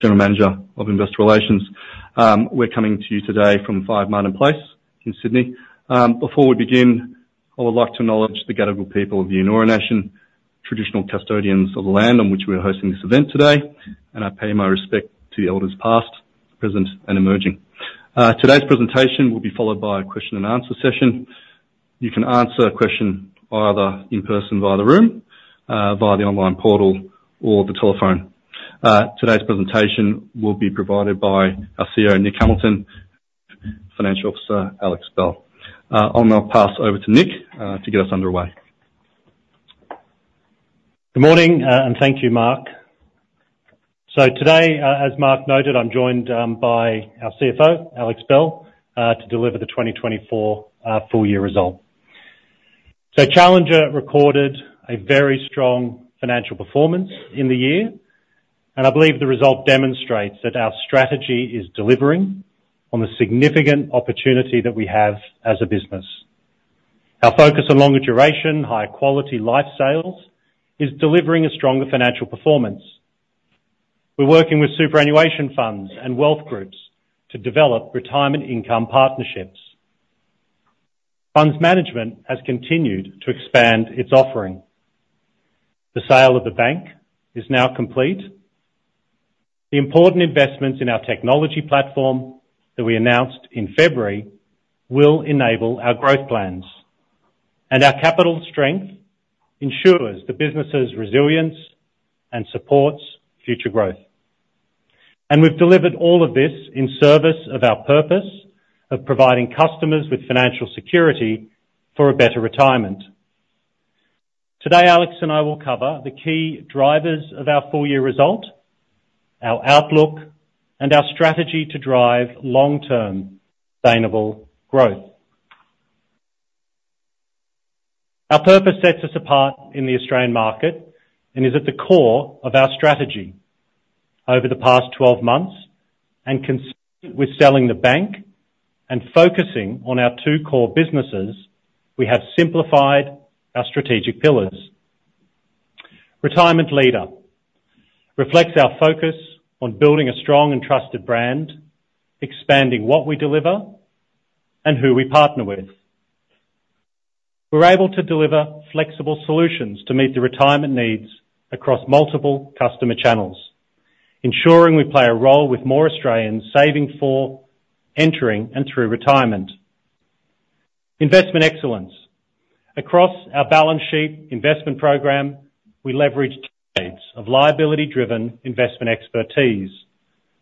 General Manager of Investor Relations. We're coming to you today from 5 Martin Place in Sydney. Before we begin, I would like to acknowledge the Gadigal people of the Eora Nation, traditional custodians of the land on which we're hosting this event today, and I pay my respect to the elders past, present, and emerging. Today's presentation will be followed by a question and answer session. You can ask a question either in person via the room, via the online portal, or the telephone. Today's presentation will be provided by our CEO, Nick Hamilton, Chief Financial Officer, Alex Bell. I'll now pass over to Nick, to get us underway. Good morning, and thank you, Mark. So today, as Mark noted, I'm joined by our CFO, Alex Bell, to deliver the 2024 full year result. So Challenger recorded a very strong financial performance in the year, and I believe the result demonstrates that our strategy is delivering on the significant opportunity that we have as a business. Our focus on longer duration, high quality Life sales, is delivering a stronger financial performance. We're working with superannuation funds and wealth groups to develop retirement income partnerships. Funds Management has continued to expand its offering. The sale of the bank is now complete. The important investments in our technology platform that we announced in February will enable our growth plans, and our capital strength ensures the business's resilience and supports future growth. We've delivered all of this in service of our purpose of providing customers with financial security for a better retirement. Today, Alex and I will cover the key drivers of our full year result, our outlook, and our strategy to drive long-term sustainable growth. Our purpose sets us apart in the Australian market and is at the core of our strategy. Over the past 12 months, and consistent with selling the bank and focusing on our two core businesses, we have simplified our strategic pillars. Retirement Leader reflects our focus on building a strong and trusted brand, expanding what we deliver, and who we partner with. We're able to deliver flexible solutions to meet the retirement needs across multiple customer channels, ensuring we play a role with more Australians saving for, entering, and through retirement. Investment Excellence. Across our balance sheet investment program, we leverage decades of liability-driven investment expertise,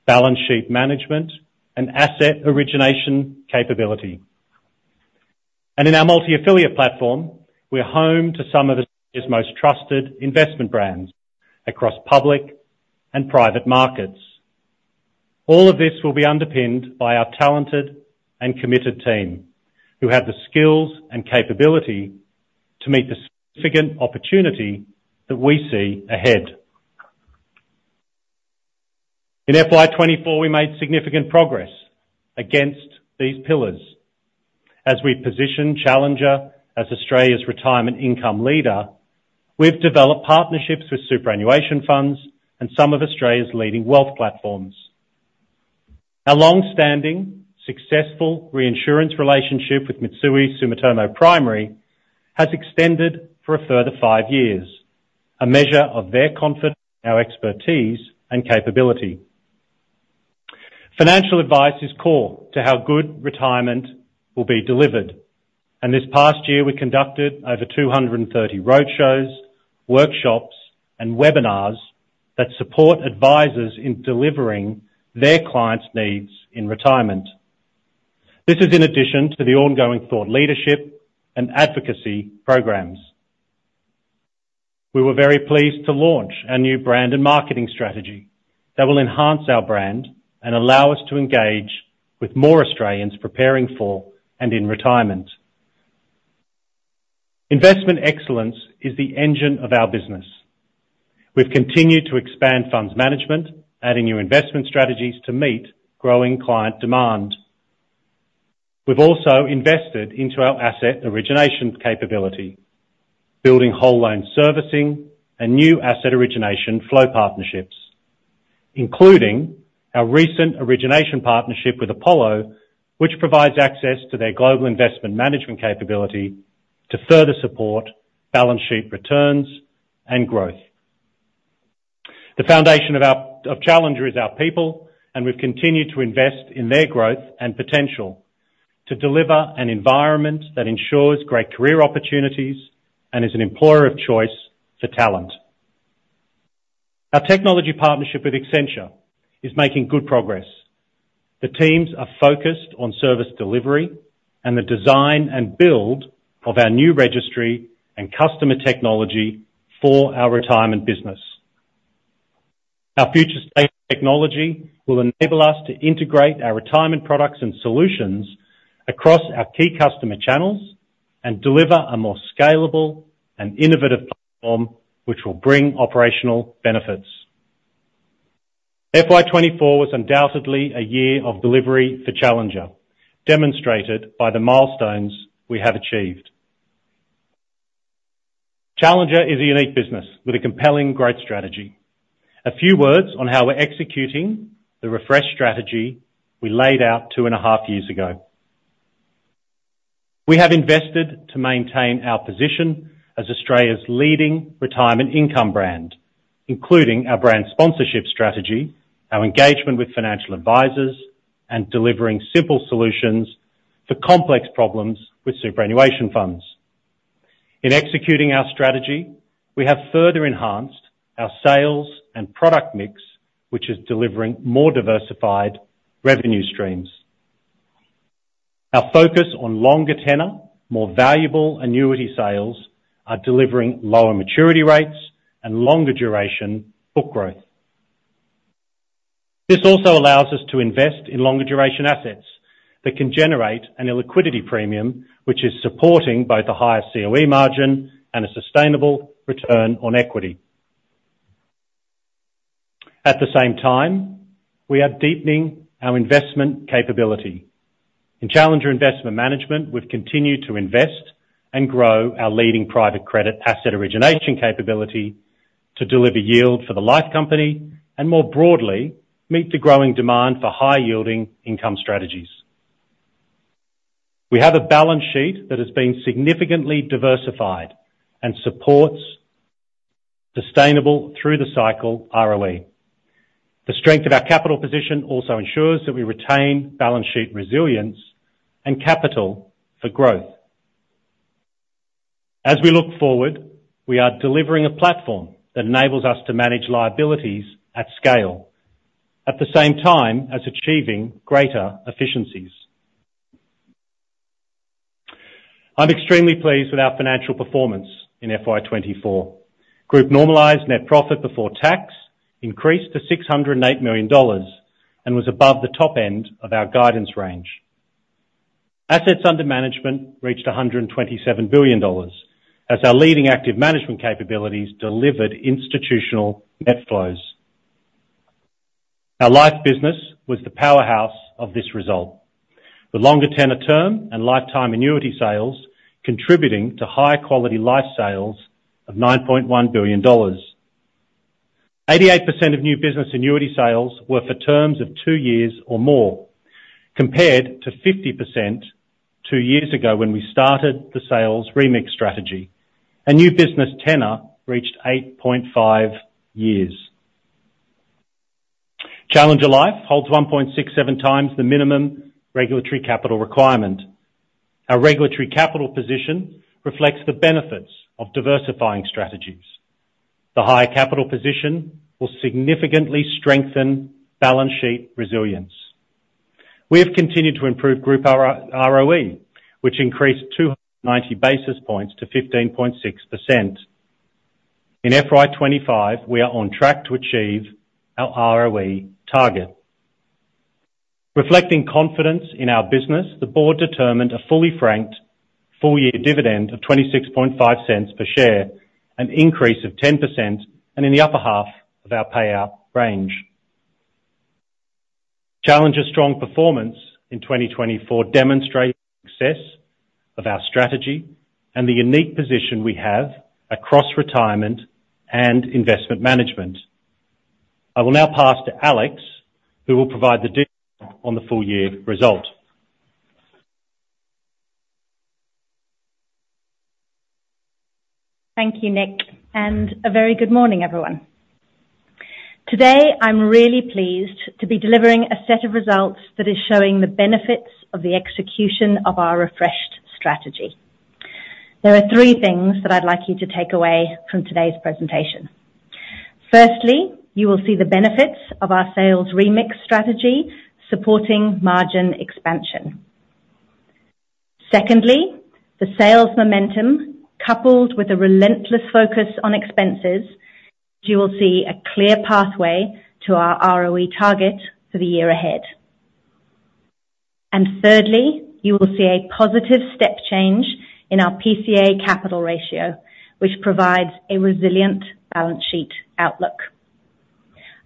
balance sheet management, and asset origination capability. In our multi-affiliate platform, we're home to some of the city's most trusted investment brands across public and private markets. All of this will be underpinned by our talented and committed team, who have the skills and capability to meet the significant opportunity that we see ahead. In FY 2024, we made significant progress against these pillars. As we position Challenger as Australia's retirement income leader, we've developed partnerships with superannuation funds and some of Australia's leading wealth platforms. Our long-standing, successful reinsurance relationship with Mitsui Sumitomo Primary has extended for a further five years, a measure of their confidence in our expertise and capability. Financial advice is core to how good retirement will be delivered, and this past year, we conducted over 230 roadshows, workshops, and webinars that support advisors in delivering their clients' needs in retirement. This is in addition to the ongoing thought leadership and advocacy programs. We were very pleased to launch our new brand and marketing strategy that will enhance our brand and allow us to engage with more Australians preparing for and in retirement. Investment Excellence is the engine of our business. We've continued to expand Funds Management, adding new investment strategies to meet growing client demand. We've also invested into our asset origination capability, building whole loan servicing and new asset origination flow partnerships, including our recent origination partnership with Apollo, which provides access to their global investment management capability to further support balance sheet returns and growth. The foundation of Challenger is our people, and we've continued to invest in their growth and potential to deliver an environment that ensures great career opportunities and is an employer of choice for talent. Our technology partnership with Accenture is making good progress. The teams are focused on service delivery and the design and build of our new registry and customer technology for our retirement business. Our future state technology will enable us to integrate our retirement products and solutions across our key customer channels and deliver a more scalable and innovative platform, which will bring operational benefits. FY 2024 was undoubtedly a year of delivery for Challenger, demonstrated by the milestones we have achieved.... Challenger is a unique business with a compelling growth strategy. A few words on how we're executing the refresh strategy we laid out two and a half years ago. We have invested to maintain our position as Australia's leading retirement income brand, including our brand sponsorship strategy, our engagement with financial advisors, and delivering simple solutions for complex problems with superannuation funds. In executing our strategy, we have further enhanced our sales and product mix, which is delivering more diversified revenue streams. Our focus on longer tenor, more valuable annuity sales, are delivering lower maturity rates and longer duration book growth. This also allows us to invest in longer duration assets that can generate an illiquidity premium, which is supporting both a higher COE margin and a sustainable return on equity. At the same time, we are deepening our investment capability. In Challenger Investment Management, we've continued to invest and grow our leading private credit asset origination capability to deliver yield for the Life Company, and more broadly, meet the growing demand for high-yielding income strategies. We have a balance sheet that has been significantly diversified and supports sustainable through the cycle ROE. The strength of our capital position also ensures that we retain balance sheet resilience and capital for growth. As we look forward, we are delivering a platform that enables us to manage liabilities at scale, at the same time as achieving greater efficiencies. I'm extremely pleased with our financial performance in FY 2024. Group normalized net profit before tax increased to 608 million dollars and was above the top end of our guidance range. Assets under management reached 127 billion dollars, as our leading active management capabilities delivered institutional net flows. Our Life business was the powerhouse of this result, with longer tenor term and lifetime annuity sales contributing to high-quality Life sales of 9.1 billion dollars. 88% of new business annuity sales were for terms of two years or more, compared to 50% two years ago when we started the sales remix strategy. A new business tenor reached 8.5 years. Challenger Life holds 1.67x the minimum regulatory capital requirement. Our regulatory capital position reflects the benefits of diversifying strategies. The higher capital position will significantly strengthen balance sheet resilience. We have continued to improve group ROE, which increased 290 basis points to 15.6%. In FY 2025, we are on track to achieve our ROE target. Reflecting confidence in our business, the board determined a fully franked full-year dividend of 0.265 per share, an increase of 10% and in the upper half of our payout range. Challenger's strong performance in 2024 demonstrates success of our strategy and the unique position we have across retirement and investment management. I will now pass to Alex, who will provide the detail on the full year result. Thank you, Nick, and a very good morning, everyone. Today, I'm really pleased to be delivering a set of results that is showing the benefits of the execution of our refreshed strategy. There are three things that I'd like you to take away from today's presentation. Firstly, you will see the benefits of our sales remix strategy, supporting margin expansion. Secondly, the sales momentum, coupled with a relentless focus on expenses, you will see a clear pathway to our ROE target for the year ahead. And thirdly, you will see a positive step change in our PCA capital ratio, which provides a resilient balance sheet outlook.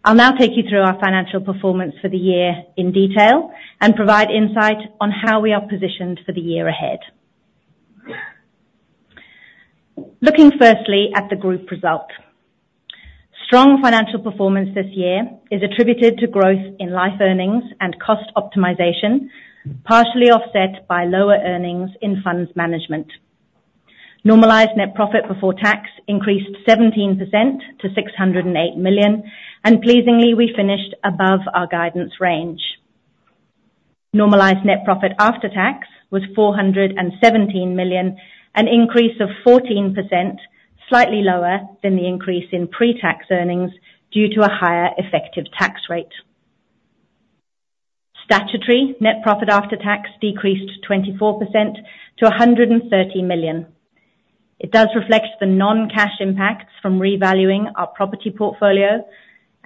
I'll now take you through our financial performance for the year in detail and provide insight on how we are positioned for the year ahead. Looking firstly at the group result. Strong financial performance this year is attributed to growth in Life earnings and cost optimization, partially offset by lower earnings in Funds Management. Normalized net profit before tax increased 17% to 608 million, and pleasingly, we finished above our guidance range. Normalized net profit after tax was 417 million, an increase of 14%, slightly lower than the increase in pre-tax earnings due to a higher effective tax rate. Statutory net profit after tax decreased 24% to 130 million. It does reflect the non-cash impacts from revaluing our property portfolio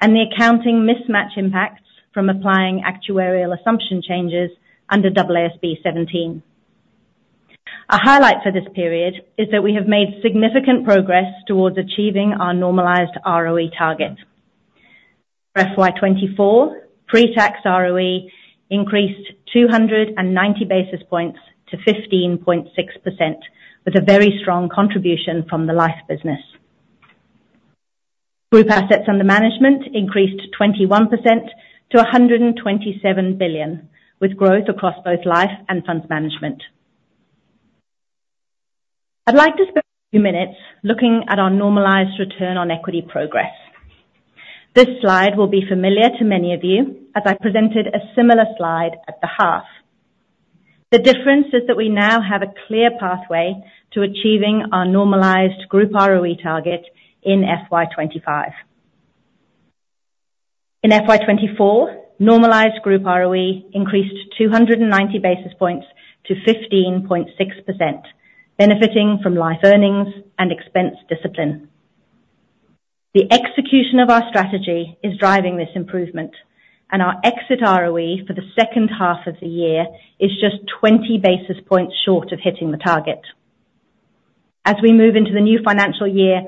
and the accounting mismatch impacts from applying actuarial assumption changes under AASB 17. A highlight for this period is that we have made significant progress towards achieving our normalized ROE target.... FY 2024, pre-tax ROE increased 290 basis points to 15.6%, with a very strong contribution from the Life business. Group assets under management increased 21% to 127 billion, with growth across both Life and Funds Management. I'd like to spend a few minutes looking at our normalized return on equity progress. This slide will be familiar to many of you, as I presented a similar slide at the half. The difference is that we now have a clear pathway to achieving our normalized group ROE target in FY 2025. In FY 2024, normalized group ROE increased 290 basis points to 15.6%, benefiting from Life earnings and expense discipline. The execution of our strategy is driving this improvement, and our exit ROE for the second half of the year is just 20 basis points short of hitting the target. As we move into the new financial year,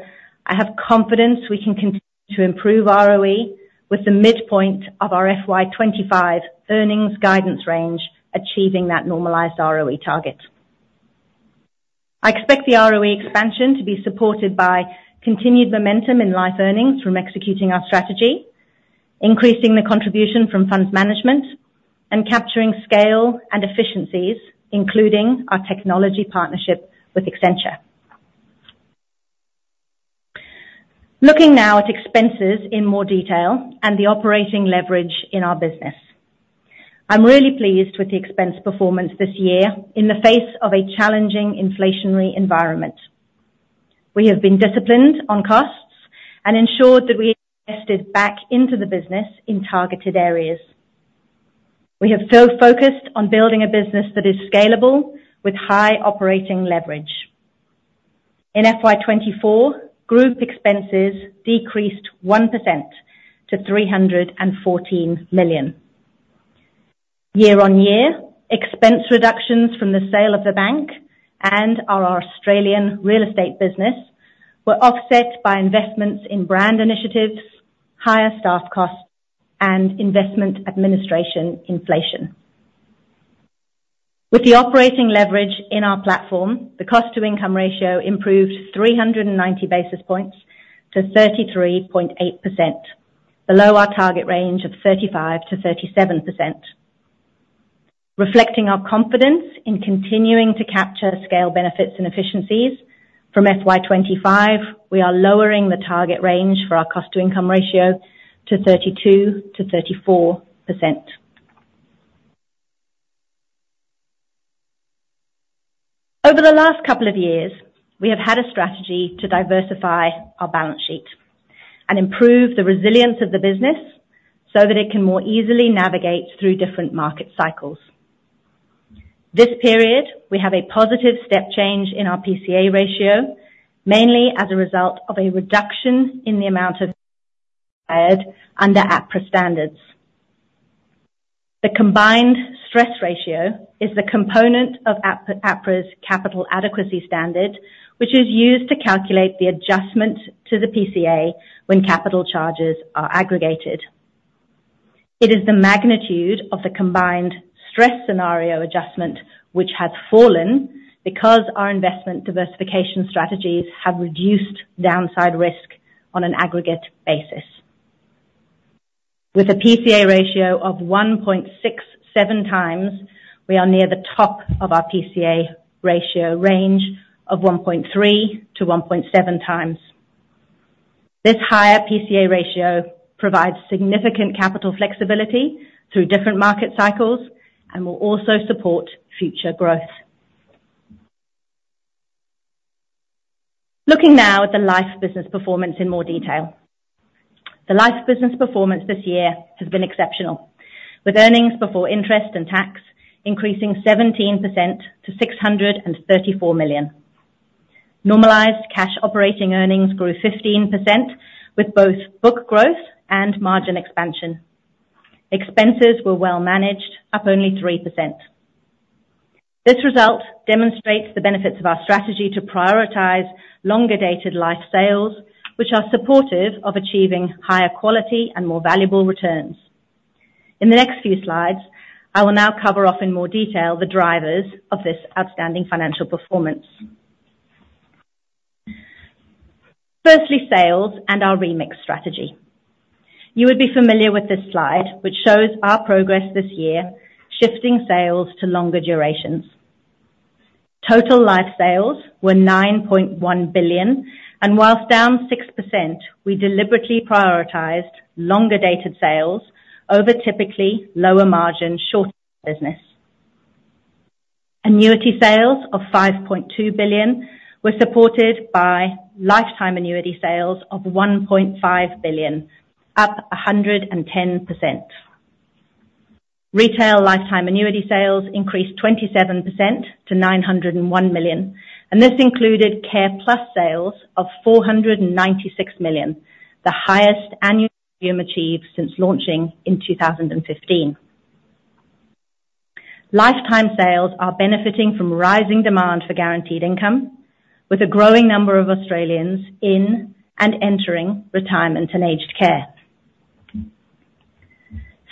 I have confidence we can continue to improve ROE with the midpoint of our FY 2025 earnings guidance range, achieving that normalized ROE target. I expect the ROE expansion to be supported by continued momentum in Life earnings from executing our strategy, increasing the contribution from Funds Management, and capturing scale and efficiencies, including our technology partnership with Accenture. Looking now at expenses in more detail and the operating leverage in our business. I'm really pleased with the expense performance this year in the face of a challenging inflationary environment. We have been disciplined on costs and ensured that we invested back into the business in targeted areas. We have so focused on building a business that is scalable with high operating leverage. In FY 2024, group expenses decreased 1% to AUD 314 million. Year-on-year, expense reductions from the sale of the bank and our Australian real estate business were offset by investments in brand initiatives, higher staff costs, and investment administration inflation. With the operating leverage in our platform, the cost to income ratio improved 390 basis points to 33.8%, below our target range of 35%-37%. Reflecting our confidence in continuing to capture scale benefits and efficiencies from FY 2025, we are lowering the target range for our cost to income ratio to 32%-34%. Over the last couple of years, we have had a strategy to diversify our balance sheet and improve the resilience of the business so that it can more easily navigate through different market cycles. This period, we have a positive step change in our PCA ratio, mainly as a result of a reduction in the amount of capital under APRA standards. The combined stress ratio is the component of APRA's capital adequacy standard, which is used to calculate the adjustment to the PCA when capital charges are aggregated. It is the magnitude of the combined stress scenario adjustment which has fallen because our investment diversification strategies have reduced downside risk on an aggregate basis. With a PCA ratio of 1.67x, we are near the top of our PCA ratio range of 1.3-1.7x. This higher PCA ratio provides significant capital flexibility through different market cycles and will also support future growth. Looking now at the Life business performance in more detail. The Life business performance this year has been exceptional, with earnings before interest and tax increasing 17% to 634 million. Normalized cash operating earnings grew 15%, with both book growth and margin expansion. Expenses were well managed, up only 3%. This result demonstrates the benefits of our strategy to prioritize longer-dated Life sales, which are supportive of achieving higher quality and more valuable returns. In the next few slides, I will now cover off in more detail the drivers of this outstanding financial performance. Firstly, sales and our remix strategy. You would be familiar with this slide, which shows our progress this year, shifting sales to longer durations. Total Life sales were 9.1 billion, and while down 6%, we deliberately prioritized longer dated sales over typically lower margin, short business. Annuity sales of 5.2 billion were supported by lifetime annuity sales of 1.5 billion, up 110%. Retail lifetime annuity sales increased 27% to 901 million, and this included CarePlus sales of 496 million, the highest annual volume achieved since launching in 2015.... Lifetime sales are benefiting from rising demand for guaranteed income, with a growing number of Australians in and entering retirement and aged care.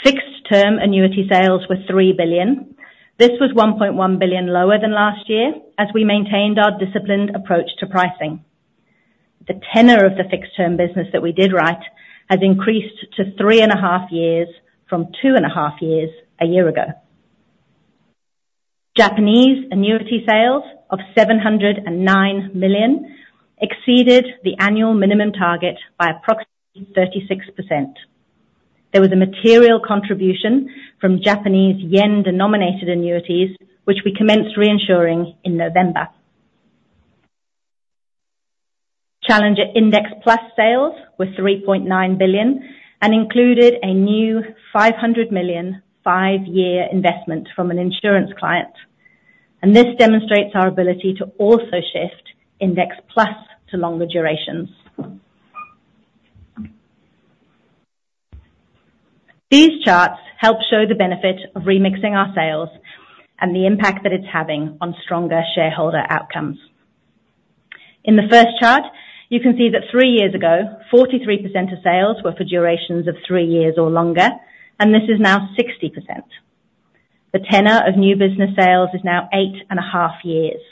Fixed term annuity sales were 3 billion. This was 1.1 billion lower than last year, as we maintained our disciplined approach to pricing. The tenor of the fixed term business that we did write has increased to 3.5 years from 2.5 years a year ago. Japanese annuity sales of 709 million exceeded the annual minimum target by approximately 36%. There was a material contribution from Japanese yen-denominated annuities, which we commenced reinsuring in November. Challenger Index Plus sales were 3.9 billion and included a new 500 million, 5-year investment from an insurance client, and this demonstrates our ability to also shift Index Plus to longer durations. These charts help show the benefit of remixing our sales and the impact that it's having on stronger shareholder outcomes. In the first chart, you can see that 3 years ago, 43% of sales were for durations of 3 years or longer, and this is now 60%. The tenor of new business sales is now 8.5 years.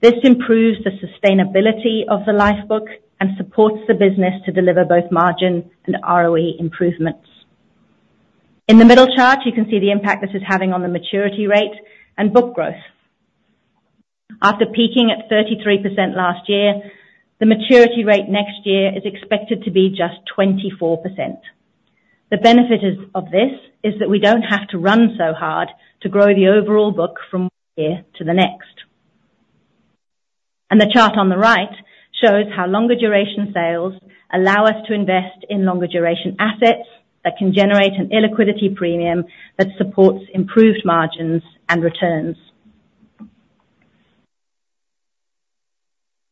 This improves the sustainability of the Life book and supports the business to deliver both margin and ROE improvements. In the middle chart, you can see the impact this is having on the maturity rate and book growth. After peaking at 33% last year, the maturity rate next year is expected to be just 24%. The benefit of this is that we don't have to run so hard to grow the overall book from one year to the next. The chart on the right shows how longer duration sales allow us to invest in longer duration assets that can generate an illiquidity premium that supports improved margins and returns.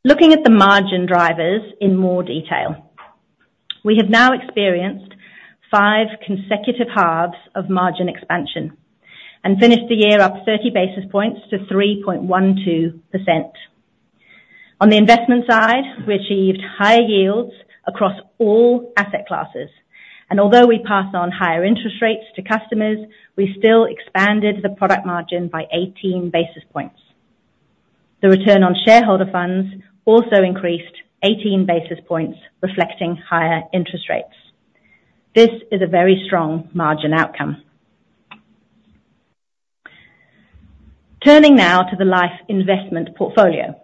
Looking at the margin drivers in more detail. We have now experienced 5 consecutive halves of margin expansion and finished the year up 30 basis points to 3.12%. On the investment side, we achieved higher yields across all asset classes, and although we passed on higher interest rates to customers, we still expanded the product margin by 18 basis points. The return on shareholder funds also increased 18 basis points, reflecting higher interest rates. This is a very strong margin outcome. Turning now to the Life investment portfolio.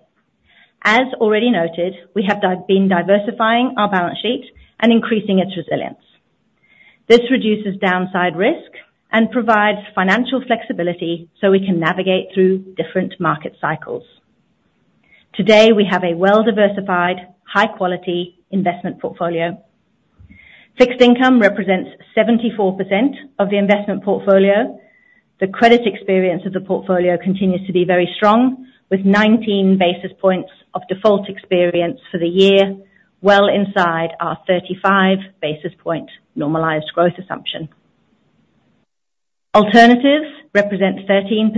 As already noted, we have been diversifying our balance sheet and increasing its resilience. This reduces downside risk and provides financial flexibility so we can navigate through different market cycles. Today, we have a well-diversified, high-quality investment portfolio. Fixed income represents 74% of the investment portfolio. The credit experience of the portfolio continues to be very strong, with 19 basis points of default experience for the year, well inside our 35 basis point normalized growth assumption. Alternatives represent 13%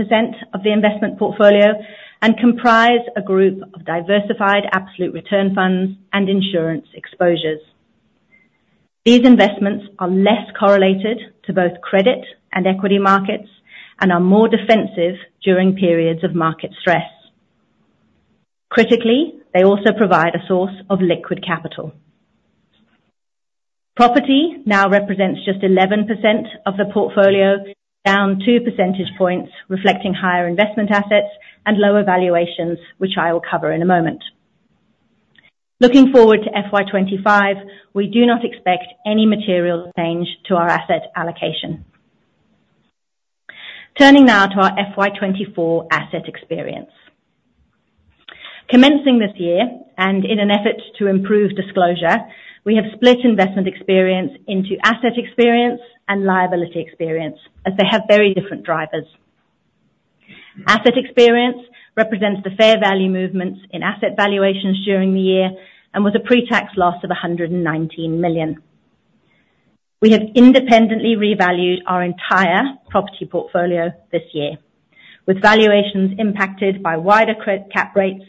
of the investment portfolio and comprise a group of diversified absolute return funds and insurance exposures. These investments are less correlated to both credit and equity markets and are more defensive during periods of market stress. Critically, they also provide a source of liquid capital. Property now represents just 11% of the portfolio, down two percentage points, reflecting higher investment assets and lower valuations, which I will cover in a moment. Looking forward to FY 2025, we do not expect any material change to our asset allocation. Turning now to our FY 2024 asset experience. Commencing this year, and in an effort to improve disclosure, we have split investment experience into asset experience and liability experience, as they have very different drivers. Asset experience represents the fair value movements in asset valuations during the year and was a pre-tax loss of 119 million. We have independently revalued our entire property portfolio this year, with valuations impacted by wider cap rates,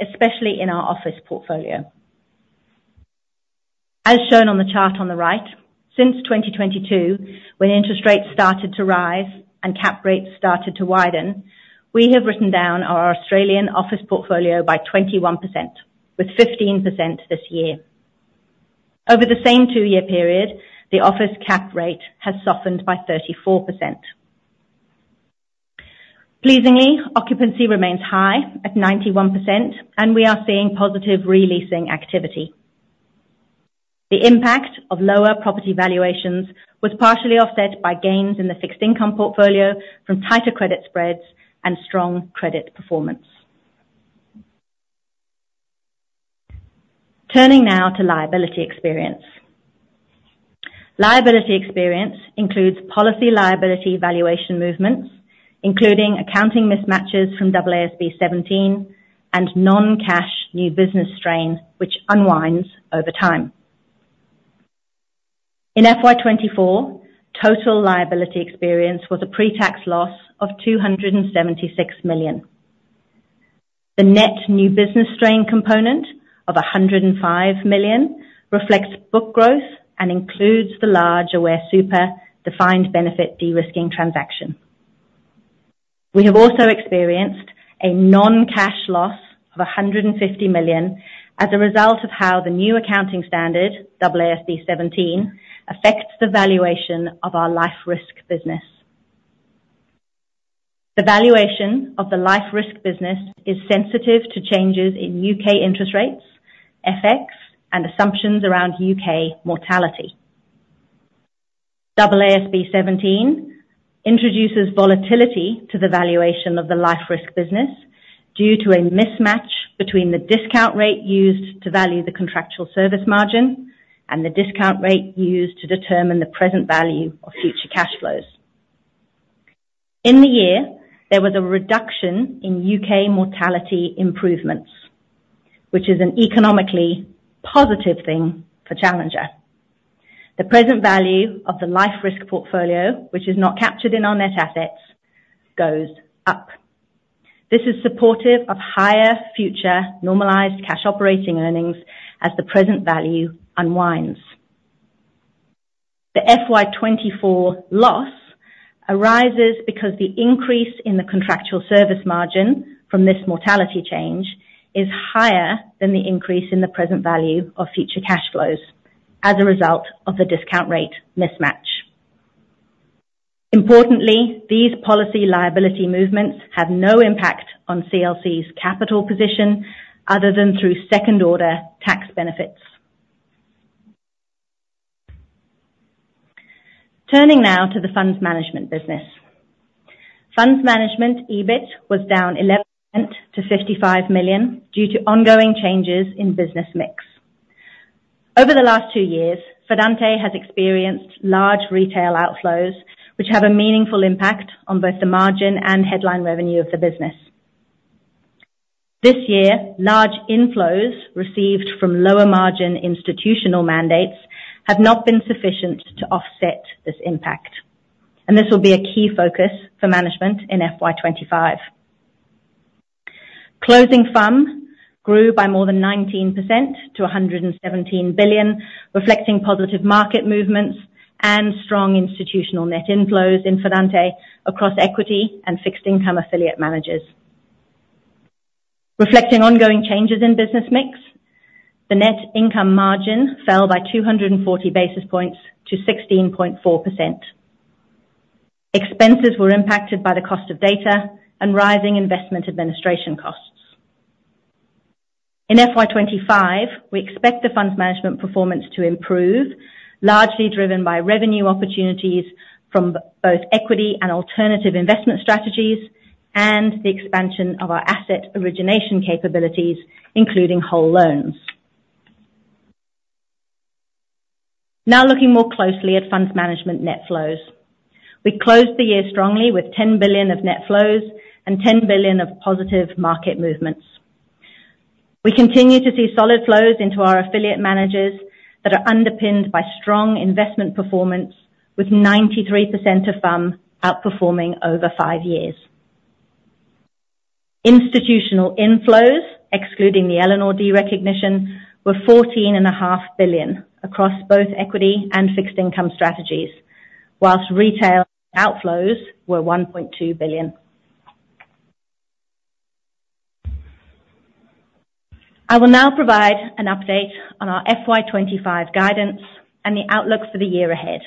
especially in our office portfolio. As shown on the chart on the right, since 2022, when interest rates started to rise and cap rates started to widen, we have written down our Australian office portfolio by 21%, with 15% this year. Over the same two-year period, the office cap rate has softened by 34%. Pleasingly, occupancy remains high at 91%, and we are seeing positive re-leasing activity. The impact of lower property valuations was partially offset by gains in the fixed income portfolio from tighter credit spreads and strong credit performance. Turning now to liability experience. Liability experience includes policy liability valuation movements, including accounting mismatches from AASB 17 and non-cash new business strain, which unwinds over time. In FY 2024, total liability experience was a pre-tax loss of 276 million. The net new business strain component of 105 million reflects book growth and includes the large Aware Super defined benefit de-risking transaction. We have also experienced a non-cash loss of 150 million as a result of how the new accounting standard, AASB 17, affects the valuation of our Life risk business. The valuation of the Life risk business is sensitive to changes in UK interest rates, FX, and assumptions around UK mortality. AASB 17 introduces volatility to the valuation of the Life risk business due to a mismatch between the discount rate used to value the contractual service margin and the discount rate used to determine the present value of future cash flows. In the year, there was a reduction in UK mortality improvements, which is an economically positive thing for Challenger. The present value of the Life risk portfolio, which is not captured in our net assets, goes up. This is supportive of higher future normalized cash operating earnings as the present value unwinds. The FY 2024 loss arises because the increase in the contractual service margin from this mortality change is higher than the increase in the present value of future cash flows as a result of the discount rate mismatch. Importantly, these policy liability movements have no impact on CLC's capital position other than through second-order tax benefits. Turning now to the Funds Management business. Funds Management EBIT was down 11% to 55 million due to ongoing changes in business mix. Over the last two years, Fidante has experienced large retail outflows, which have a meaningful impact on both the margin and headline revenue of the business. This year, large inflows received from lower margin institutional mandates have not been sufficient to offset this impact, and this will be a key focus for management in FY 2025. Closing FUM grew by more than 19% to 117 billion, reflecting positive market movements and strong institutional net inflows in Fidante across equity and fixed income affiliate managers. Reflecting ongoing changes in business mix, the net income margin fell by 240 basis point to 16.4%. Expenses were impacted by the cost of data and rising investment administration costs. In FY 2025, we expect the Funds Management performance to improve, largely driven by revenue opportunities from both equity and alternative investment strategies, and the expansion of our asset origination capabilities, including whole loans. Now, looking more closely at Funds Management net flows. We closed the year strongly with 10 billion of net flows and 10 billion of positive market movements. We continue to see solid flows into our affiliate managers that are underpinned by strong investment performance, with 93% of FUM outperforming over five years. Institutional inflows, excluding the Elanor derecognition, were 14.5 billion across both equity and fixed income strategies, while retail outflows were AUD 1.2 billion. I will now provide an update on our FY 2025 guidance and the outlook for the year ahead.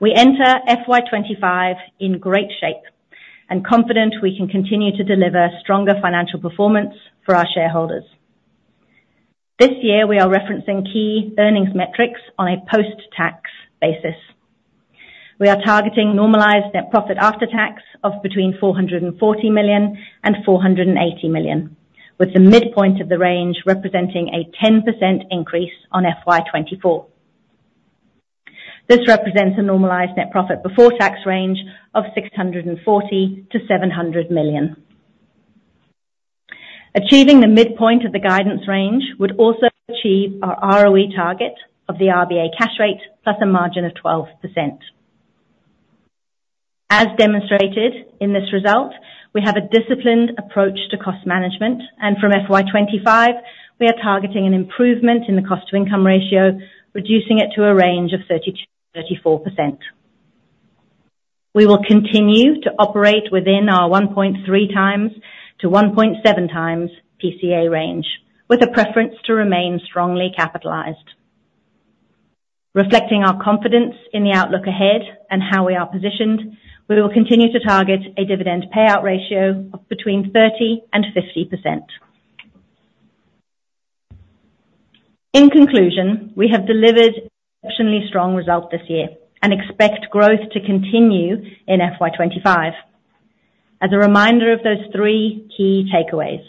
We enter FY 2025 in great shape and confident we can continue to deliver stronger financial performance for our shareholders. This year, we are referencing key earnings metrics on a post-tax basis. We are targeting normalized net profit after tax of between 440 million and 480 million, with the midpoint of the range representing a 10% increase on FY 2024. This represents a normalized net profit before tax range of 640 million-700 million. Achieving the midpoint of the guidance range would also achieve our ROE target of the RBA cash rate, plus a margin of 12%. As demonstrated in this result, we have a disciplined approach to cost management, and from FY 2025, we are targeting an improvement in the cost to income ratio, reducing it to a range of 32%-34%. We will continue to operate within our 1.3 times to 1.7 times PCA range, with a preference to remain strongly capitalized. Reflecting our confidence in the outlook ahead and how we are positioned, we will continue to target a dividend payout ratio of between 30% and 50%. In conclusion, we have delivered exceptionally strong result this year and expect growth to continue in FY25. As a reminder of those 3 key takeaways: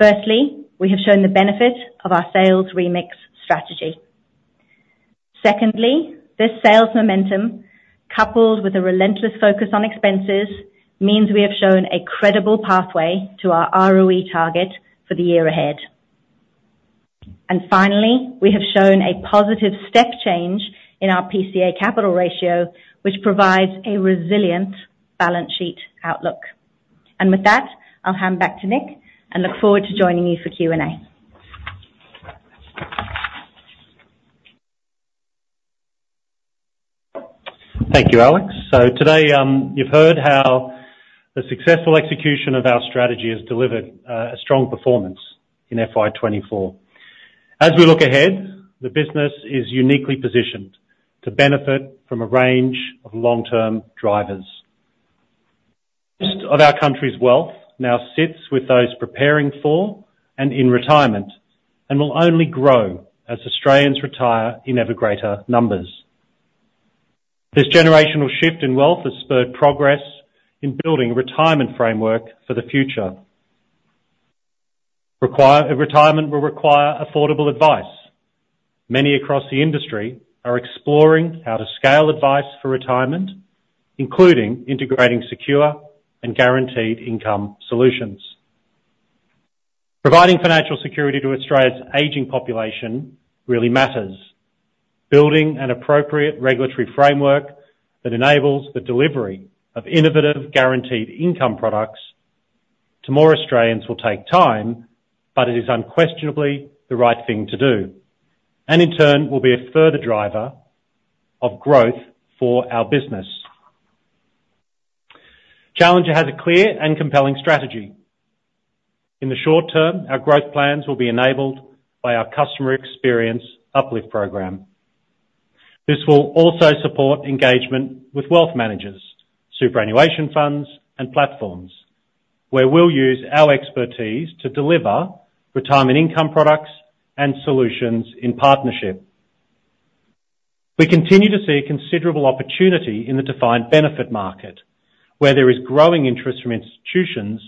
firstly, we have shown the benefit of our sales remix strategy. Secondly, this sales momentum coupled with a relentless focus on expenses, means we have shown a credible pathway to our ROE target for the year ahead. Finally, we have shown a positive step change in our PCA capital ratio, which provides a resilient balance sheet outlook. With that, I'll hand back to Nick and look forward to joining you for Q&A. Thank you, Alex. So today, you've heard how the successful execution of our strategy has delivered a strong performance in FY 2024. As we look ahead, the business is uniquely positioned to benefit from a range of long-term drivers. Most of our country's wealth now sits with those preparing for and in retirement, and will only grow as Australians retire in ever greater numbers. This generational shift in wealth has spurred progress in building a retirement framework for the future. Retirement will require affordable advice. Many across the industry are exploring how to scale advice for retirement, including integrating secure and guaranteed income solutions. Providing financial security to Australia's aging population really matters. Building an appropriate regulatory framework that enables the delivery of innovative, guaranteed income products to more Australians will take time, but it is unquestionably the right thing to do, and in turn, will be a further driver of growth for our business. Challenger has a clear and compelling strategy. In the short term, our growth plans will be enabled by our customer experience uplift program. This will also support engagement with wealth managers, superannuation funds, and platforms, where we'll use our expertise to deliver retirement income products and solutions in partnership. We continue to see a considerable opportunity in the defined benefit market, where there is growing interest from institutions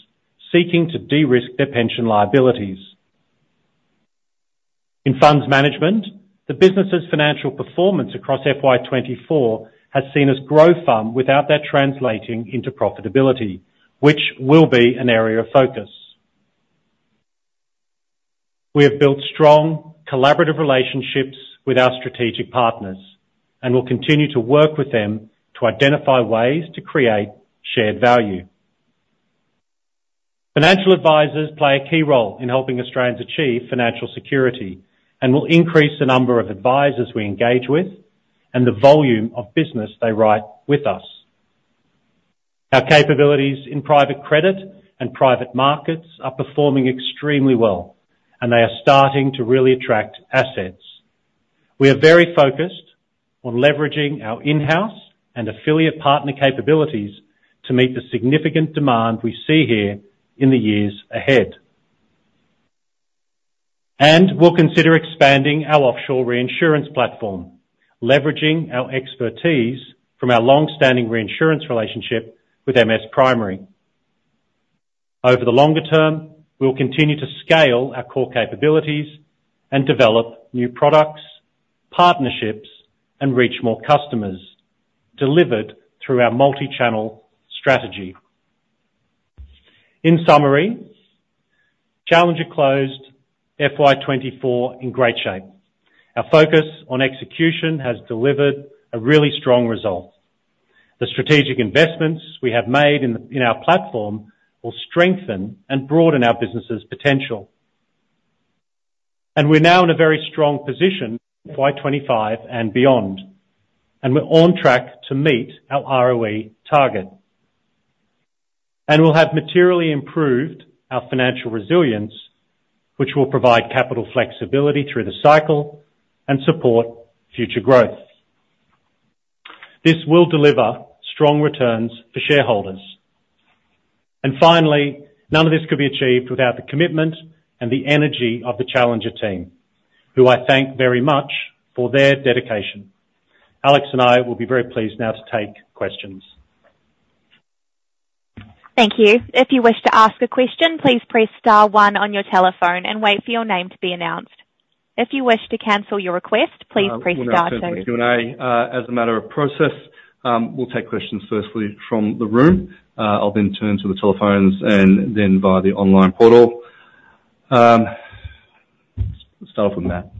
seeking to de-risk their pension liabilities. In Funds Management, the business's financial performance across FY 2024 has seen us grow FUM without that translating into profitability, which will be an area of focus. We have built strong, collaborative relationships with our strategic partners, and we'll continue to work with them to identify ways to create shared value. Financial advisors play a key role in helping Australians achieve financial security and will increase the number of advisors we engage with and the volume of business they write with us. Our capabilities in private credit and private markets are performing extremely well, and they are starting to really attract assets. We are very focused on leveraging our in-house and affiliate partner capabilities to meet the significant demand we see here in the years ahead. We'll consider expanding our offshore reinsurance platform, leveraging our expertise from our long-standing reinsurance relationship with Mitsui Sumitomo Primary. Over the longer term, we'll continue to scale our core capabilities and develop new products, partnerships, and reach more customers, delivered through our multi-channel strategy. In summary, Challenger closed FY 2024 in great shape. Our focus on execution has delivered a really strong result. The strategic investments we have made in our platform will strengthen and broaden our business's potential. And we're now in a very strong position for FY 2025 and beyond, and we're on track to meet our ROE target. And we'll have materially improved our financial resilience, which will provide capital flexibility through the cycle and support future growth. This will deliver strong returns for shareholders. And finally, none of this could be achieved without the commitment and the energy of the Challenger team, who I thank very much for their dedication. Alex and I will be very pleased now to take questions. Thank you. If you wish to ask a question, please press star one on your telephone and wait for your name to be announced. If you wish to cancel your request, please press star two. We'll now turn to the Q&A. As a matter of process, we'll take questions firstly from the room. I'll then turn to the telephones and then via the online portal. Let's start off with Matt.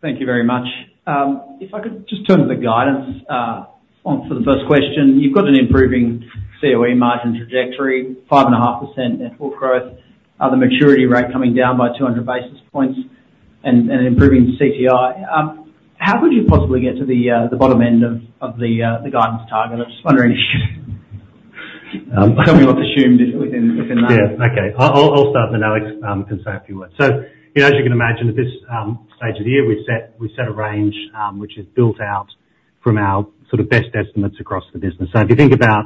Thank you very much. If I could just turn to the guidance, on for the first question. You've got an improving COE margin trajectory, 5.5% net core growth, the maturity rate coming down by 200 basis points and improving CTI. How would you possibly get to the bottom end of the guidance target? I'm just wondering, how we want to assume this within that? Yeah. Okay. I'll, I'll start, and Alex can say a few words. So, you know, as you can imagine, at this stage of the year, we've set, we've set a range, which is built out from our sort of best estimates across the business. So if you think about,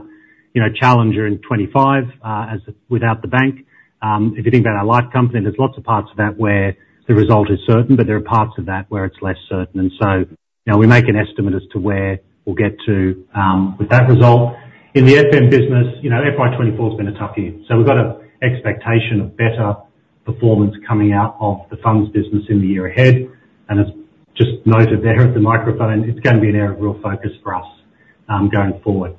you know, Challenger in 2025, without the bank, if you think about our Life Company, there's lots of parts of that where the result is certain, but there are parts of that where it's less certain. And so, you know, we make an estimate as to where we'll get to, with that result. In the FM business, you know, FY 2024's been a tough year, so we've got an expectation of better performance coming out of the funds business in the year ahead. As just noted there at the microphone, it's gonna be an area of real focus for us going forward.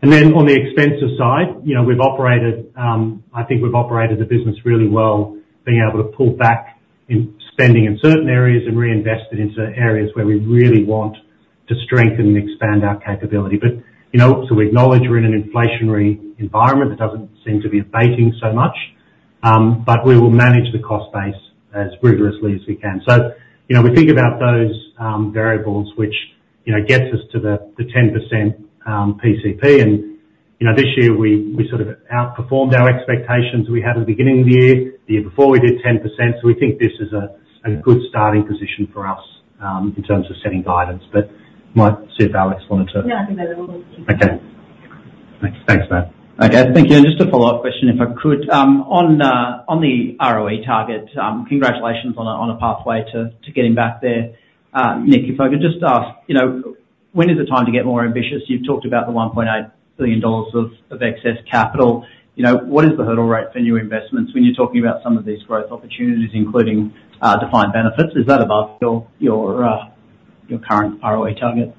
And then on the expenses side, you know, we've operated, I think we've operated the business really well, being able to pull back in spending in certain areas and reinvest it into areas where we really want to strengthen and expand our capability. But, you know, to acknowledge we're in an inflationary environment, that doesn't seem to be abating so much, but we will manage the cost base as rigorously as we can. So, you know, we think about those variables, which, you know, gets us to the 10% PCA, and, you know, this year we, we sort of outperformed our expectations we had at the beginning of the year. The year before, we did 10%. So we think this is a good starting position for us, in terms of setting guidance. But might see if Alex wanted to- Yeah, I think that will work. Okay. Thanks, thanks, Matt. Okay. Thank you. And just a follow-up question, if I could. On the, on the ROE target, congratulations on a, on a pathway to, to getting back there. Nick, if I could just ask, you know, when is the time to get more ambitious? You've talked about the 1.8 billion dollars of, of excess capital. You know, what is the hurdle rate for new investments when you're talking about some of these growth opportunities, including defined benefits? Is that above your, your, your current ROE target?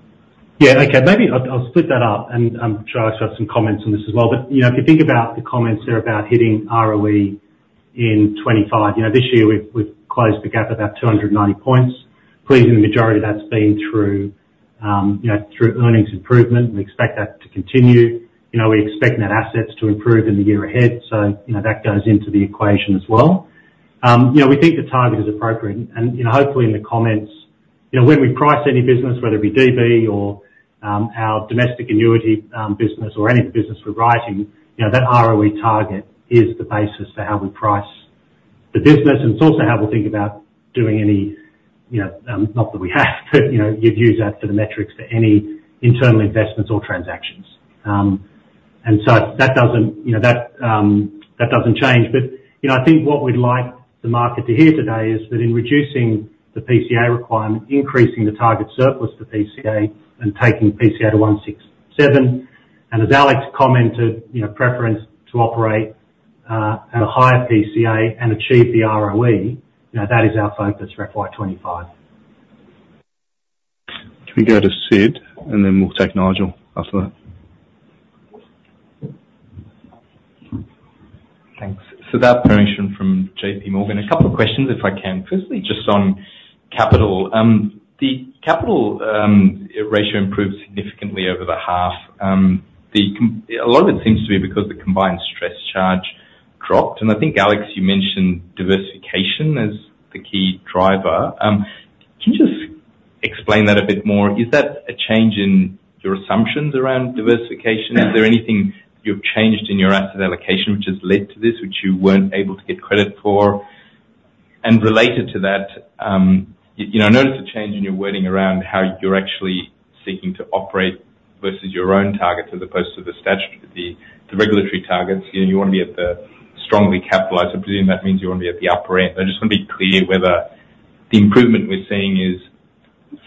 Yeah. Okay, maybe I'll split that up, and sure, I've got some comments on this as well. But, you know, if you think about the comments there about hitting ROE in 25, you know, this year we've closed the gap about 290 points. Pleasing the majority of that's been through, you know, through earnings improvement. We expect that to continue. You know, we expect net assets to improve in the year ahead. So, you know, that goes into the equation as well. You know, we think the target is appropriate, and, you know, hopefully in the comments, you know, when we price any business, whether it be DB or our domestic annuity business or any business we're writing, you know, that ROE target is the basis for how we price the business. And it's also how we'll think about doing any, you know, not that we have, but, you know, you'd use that for the metrics for any internal investments or transactions. And so that doesn't, you know, that, that doesn't change. But, you know, I think what we'd like the market to hear today is that in reducing the PCA requirement, increasing the target surplus to PCA, and taking PCA to 1.67, and as Alex commented, you know, preference to operate at a higher PCA and achieve the ROE, you know, that is our focus for FY 2025. Can we go to Sid, and then we'll take Nigel after that? Thanks. So without permission from J.P. Morgan, a couple of questions, if I can. Firstly, just on capital. The capital ratio improved significantly over the half. A lot of it seems to be because the combined stress charge dropped, and I think, Alex, you mentioned diversification as the key driver. Can you just explain that a bit more? Is that a change in your assumptions around diversification? Yeah. Is there anything you've changed in your asset allocation, which has led to this, which you weren't able to get credit for? And related to that, you know, I noticed a change in your wording around how you're actually seeking to operate versus your own targets, as opposed to the statutory, the regulatory targets. You know, you want to be at the strongly capitalized. I presume that means you want to be at the upper end. I just want to be clear whether the improvement we're seeing is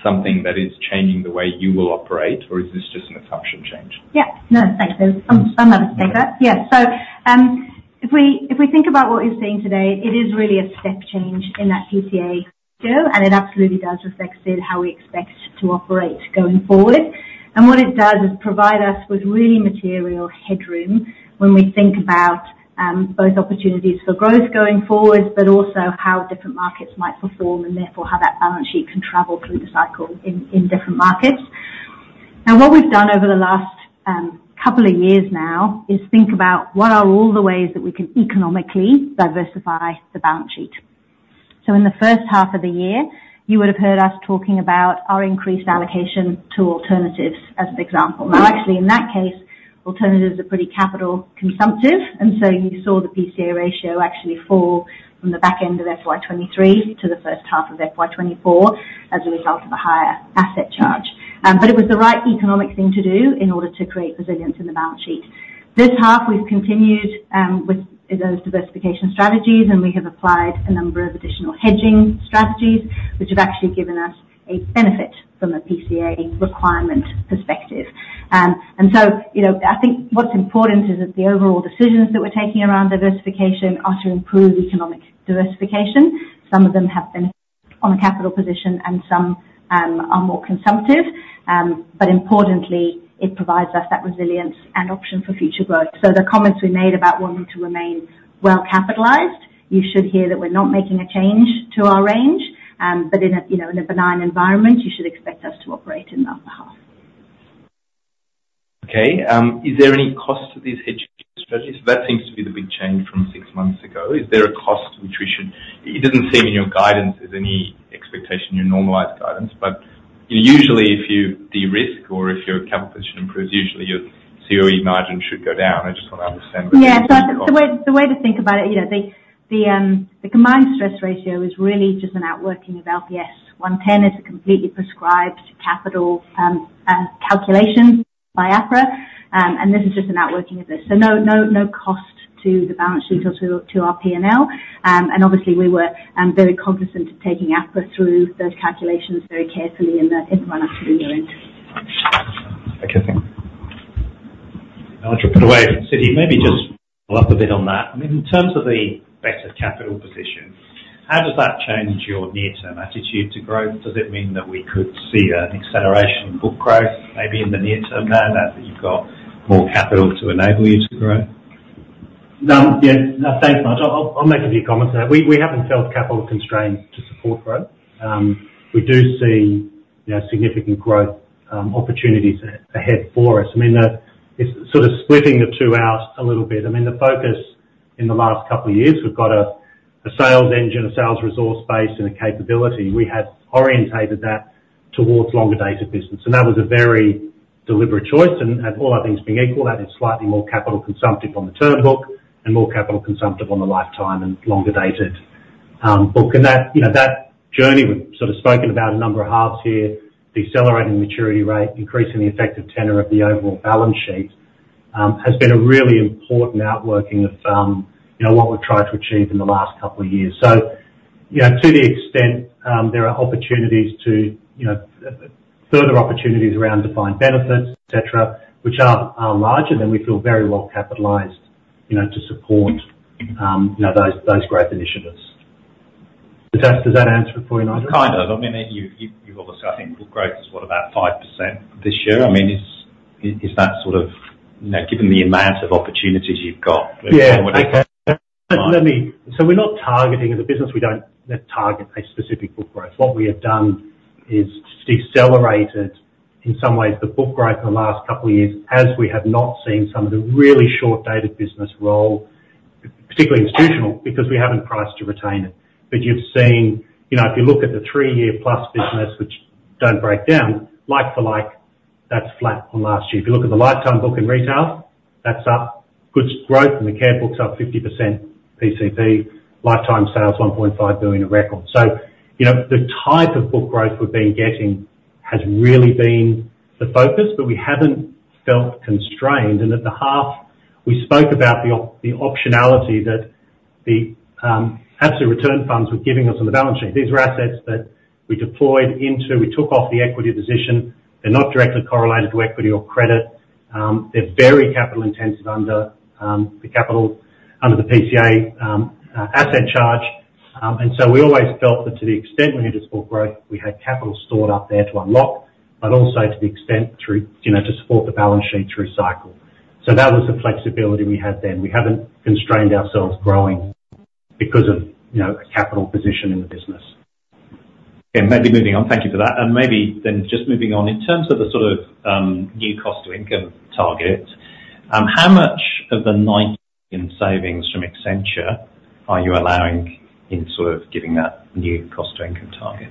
something that is changing the way you will operate, or is this just an assumption change? Yeah. No, thanks. So I'm, I'm happy to take that. Yeah. So, if we, if we think about what we're seeing today, it is really a step change in that PCA ratio, and it absolutely does reflect in how we expect to operate going forward. And what it does is provide us with really material headroom when we think about, both opportunities for growth going forward, but also how different markets might perform, and therefore how that balance sheet can travel through the cycle in, in different markets. Now, what we've done over the last, couple of years now is think about what are all the ways that we can economically diversify the balance sheet. So in the first half of the year, you would have heard us talking about our increased allocation to alternatives, as an example. Now, actually, in that case, alternatives are pretty capital consumptive, and so you saw the PCA ratio actually fall from the back end of FY 2023 to the first half of FY 2024 as a result of a higher asset charge. But it was the right economic thing to do in order to create resilience in the balance sheet. This half, we've continued with those diversification strategies, and we have applied a number of additional hedging strategies, which have actually given us a benefit from a PCA requirement perspective. And so, you know, I think what's important is that the overall decisions that we're taking around diversification are to improve economic diversification. Some of them have been on a capital position and some are more consumptive. But importantly, it provides us that resilience and option for future growth. So the comments we made about wanting to remain well-capitalized, you should hear that we're not making a change to our range, but you know, in a benign environment, you should expect us to operate in the upper half. Okay. Is there any cost to these hedging strategies? That seems to be the big change from six months ago. Is there a cost which we should... It doesn't seem in your guidance as any expectation in your normalized guidance, but usually if you de-risk or if your capital position improves, usually your COE margin should go down. I just want to understand- Yeah. So the way to think about it, you know, the combined stress ratio is really just an outworking of LPS 110, a completely prescribed capital calculation by APRA, and this is just an outworking of this. So no, no, no cost to the balance sheet or to our PNL. And obviously, we were very cognizant of taking APRA through those calculations very carefully in the run-up to the end. Okay, thank you. Nigel, put away Sid, maybe just follow up a bit on that. I mean, in terms of the better capital position-... How does that change your near-term attitude to growth? Does it mean that we could see an acceleration in book growth, maybe in the near term, now that you've got more capital to enable you to grow? Yeah. No, thanks, Nigel. I'll make a few comments on that. We haven't felt capital constrained to support growth. We do see, you know, significant growth opportunities ahead for us. I mean, it's sort of splitting the two out a little bit. I mean, the focus in the last couple of years, we've got a sales engine, a sales resource base, and a capability. We have orientated that towards longer dated business. And that was a very deliberate choice, and all other things being equal, that is slightly more capital consumptive on the term book, and more capital consumptive on the lifetime and longer dated book. And that, you know, that journey, we've sort of spoken about a number of halves here, decelerating the maturity rate, increasing the effective tenor of the overall balance sheet, has been a really important outworking of, you know, what we've tried to achieve in the last couple of years. So, you know, to the extent, there are opportunities to, you know, further opportunities around defined benefits, et cetera, which are, are larger, then we feel very well capitalized, you know, to support, you know, those, those growth initiatives. Does that, does that answer it for you, Nigel? Kind of. I mean, you've obviously, I think, book growth is what, about 5% this year? I mean, is that sort of... You know, given the amount of opportunities you've got- Yeah, okay. Let me. So we're not targeting, as a business, we don't target a specific book growth. What we have done is decelerated, in some ways, the book growth in the last couple of years, as we have not seen some of the really short-dated business roll, particularly institutional, because we haven't priced to retain it. But you've seen. You know, if you look at the three-year plus business, which don't break down, like for like, that's flat from last year. If you look at the lifetime book in retail, that's up. Good growth in the care book's up 50% PCP, lifetime sales 1.5 billion, a record. So, you know, the type of book growth we've been getting has really been the focus, but we haven't felt constrained. At the half, we spoke about the optionality that the absolute return funds were giving us on the balance sheet. These were assets that we deployed into. We took off the equity position. They're not directly correlated to equity or credit. They're very capital intensive under the capital, under the PCA asset charge. And so we always felt that to the extent we needed to support growth, we had capital stored up there to unlock, but also to the extent through, you know, to support the balance sheet through cycle. That was the flexibility we had then. We haven't constrained ourselves growing because of, you know, a capital position in the business. Maybe moving on. Thank you for that. Maybe then just moving on, in terms of the sort of, new cost to income target, how much of the 90 in savings from Accenture are you allowing in sort of giving that new cost to income target?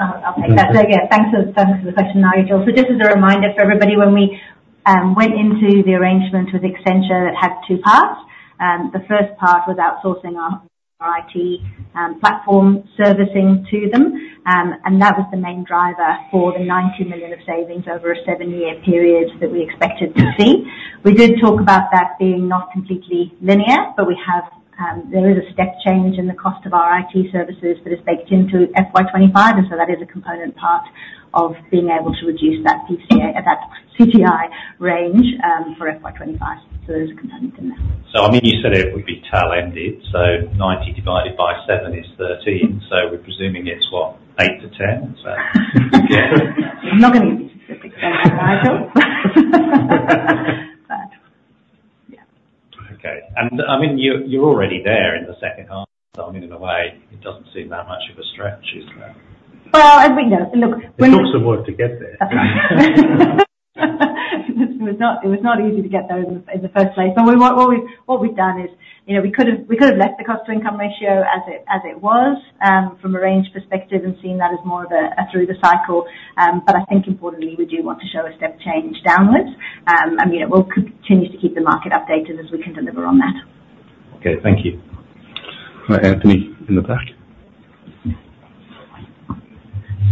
I'll take that. So again, thanks for, thanks for the question, Nigel. So just as a reminder for everybody, when we went into the arrangement with Accenture, it had two parts. The first part was outsourcing our, our IT platform servicing to them. And that was the main driver for the 90 million of savings over a 7-year period that we expected to see. We did talk about that being not completely linear, but we have, there is a step change in the cost of our IT services that is baked into FY 2025, and so that is a component part of being able to reduce that PCA, that CTI range, for FY 2025. So there's a component in that. I mean, you said it would be tail-ended, so 90 divided by 7 is 13. So we're presuming it's what, 8-10? Is that? I'm not gonna be specific as that, Nigel. But yeah. Okay. And I mean, you're already there in the second half. So I mean, in a way, it doesn't seem that much of a stretch, is that? Well, as we know, look, when- It took some work to get there. It was not easy to get there in the first place. But what we've done is, you know, we could've left the cost to income ratio as it was from a range perspective and seen that as more of a through the cycle. And, you know, we'll continue to keep the market updated as we can deliver on that. Okay, thank you. Anthony, in the back?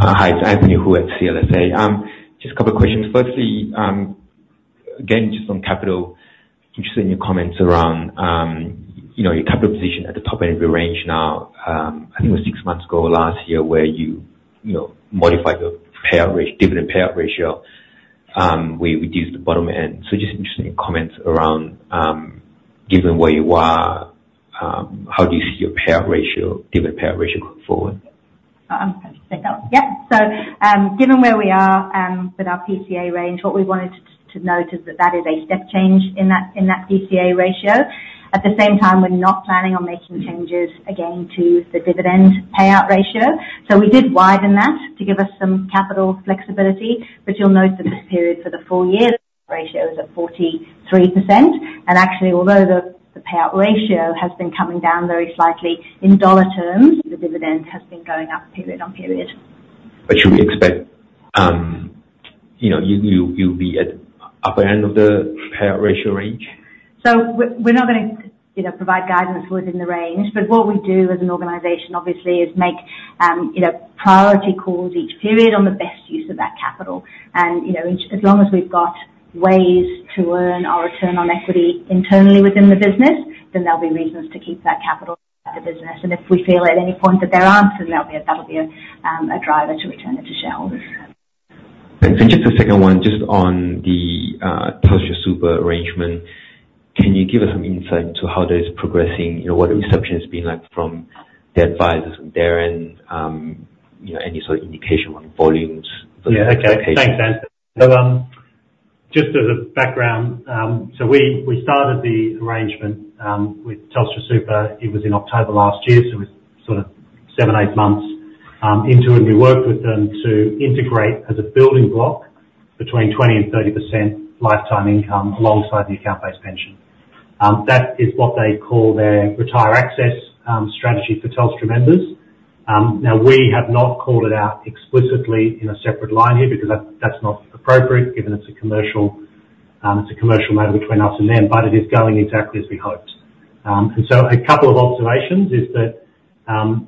Hi, it's Anthony Yoo at CLSA. Just a couple of questions. Firstly, again, just on capital, interested in your comments around, you know, your capital position at the top end of your range now. I think it was six months ago last year where you, you know, modified the payout dividend payout ratio, where you reduced the bottom end. So just interested in your comments around, given where you are, how do you see your payout ratio, dividend payout ratio going forward? I'm happy to take that one. Yeah. So, given where we are, with our PCA range, what we wanted to note is that that is a step change in that, in that PCA ratio. At the same time, we're not planning on making changes again to the dividend payout ratio. So we did widen that to give us some capital flexibility, but you'll note that this period for the full year ratio is at 43%. And actually, although the payout ratio has been coming down very slightly, in dollar terms, the dividend has been going up period on period. But should we expect, you know, you'll be at upper end of the payout ratio range? So we're not gonna, you know, provide guidance within the range, but what we do as an organization, obviously, is make priority calls each period on the best use of that capital. And, you know, as long as we've got ways to earn our return on equity internally within the business, then there'll be reasons to keep that capital at the business. And if we feel at any point that there aren't, then that'll be a driver to return it to shareholders.... And just the second one, just on the TelstraSuper arrangement, can you give us some insight into how that is progressing? You know, what the reception has been like from the advisors on their end, you know, any sort of indication on volumes for the- Yeah, okay. Thanks, Anthony. So, just as a background, so we, we started the arrangement with TelstraSuper. It was in October last year, so it's sort of 7-8 months into it. We worked with them to integrate as a building block between 20%-30% lifetime income alongside the account-based pension. That is what they call their RetireAccess strategy for Telstra members. Now, we have not called it out explicitly in a separate line here, because that's not appropriate, given it's a commercial arrangement between us and them, but it is going exactly as we hoped. And so a couple of observations is that,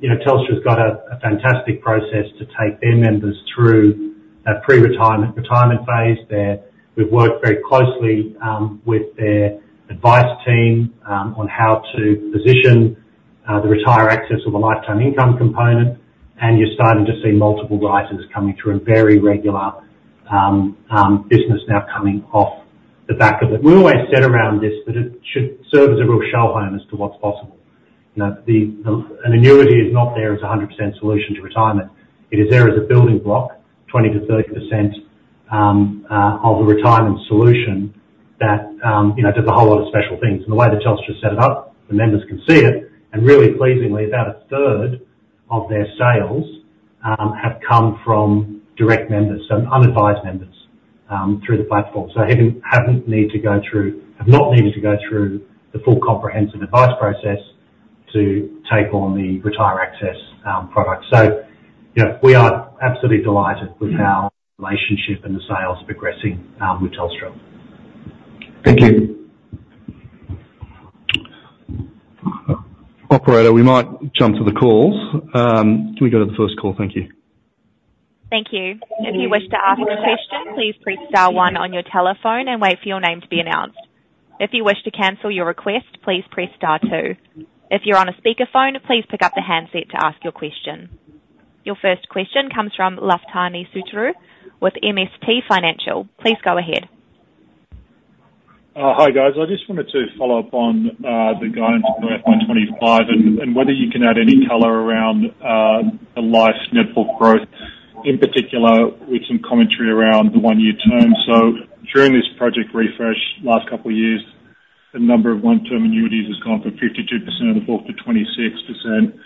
you know, Telstra's got a fantastic process to take their members through a pre-retirement, retirement phase. There, we've worked very closely with their advice team on how to position the RetireAccess or the lifetime income component, and you're starting to see multiple writers coming through, and very regular business now coming off the back of it. We always said around this, that it should serve as a real sightline as to what's possible. You know, the annuity is not there as a 100% solution to retirement. It is there as a building block, 20%-30% of a retirement solution that, you know, does a whole lot of special things. And the way that Telstra set it up, the members can see it, and really pleasingly, about a third of their sales have come from direct members, so unadvised members through the platform. So have not needed to go through the full comprehensive advice process to take on the RetireAccess product. So, you know, we are absolutely delighted with our relationship and the sales progressing with Telstra. Thank you. Operator, we might jump to the calls. Can we go to the first call? Thank you. Thank you. If you wish to ask a question, please press star one on your telephone and wait for your name to be announced. If you wish to cancel your request, please press star two. If you're on a speakerphone, please pick up the handset to ask your question. Your first question comes from Lafitani Sotiriou with MST Financial. Please go ahead. Hi, guys. I just wanted to follow up on the guidance for FY25, and whether you can add any color around the Life net book growth, in particular, with some commentary around the one-year term. So during this product refresh, last couple years, the number of one-year annuities has gone from 52% of the book to 26%.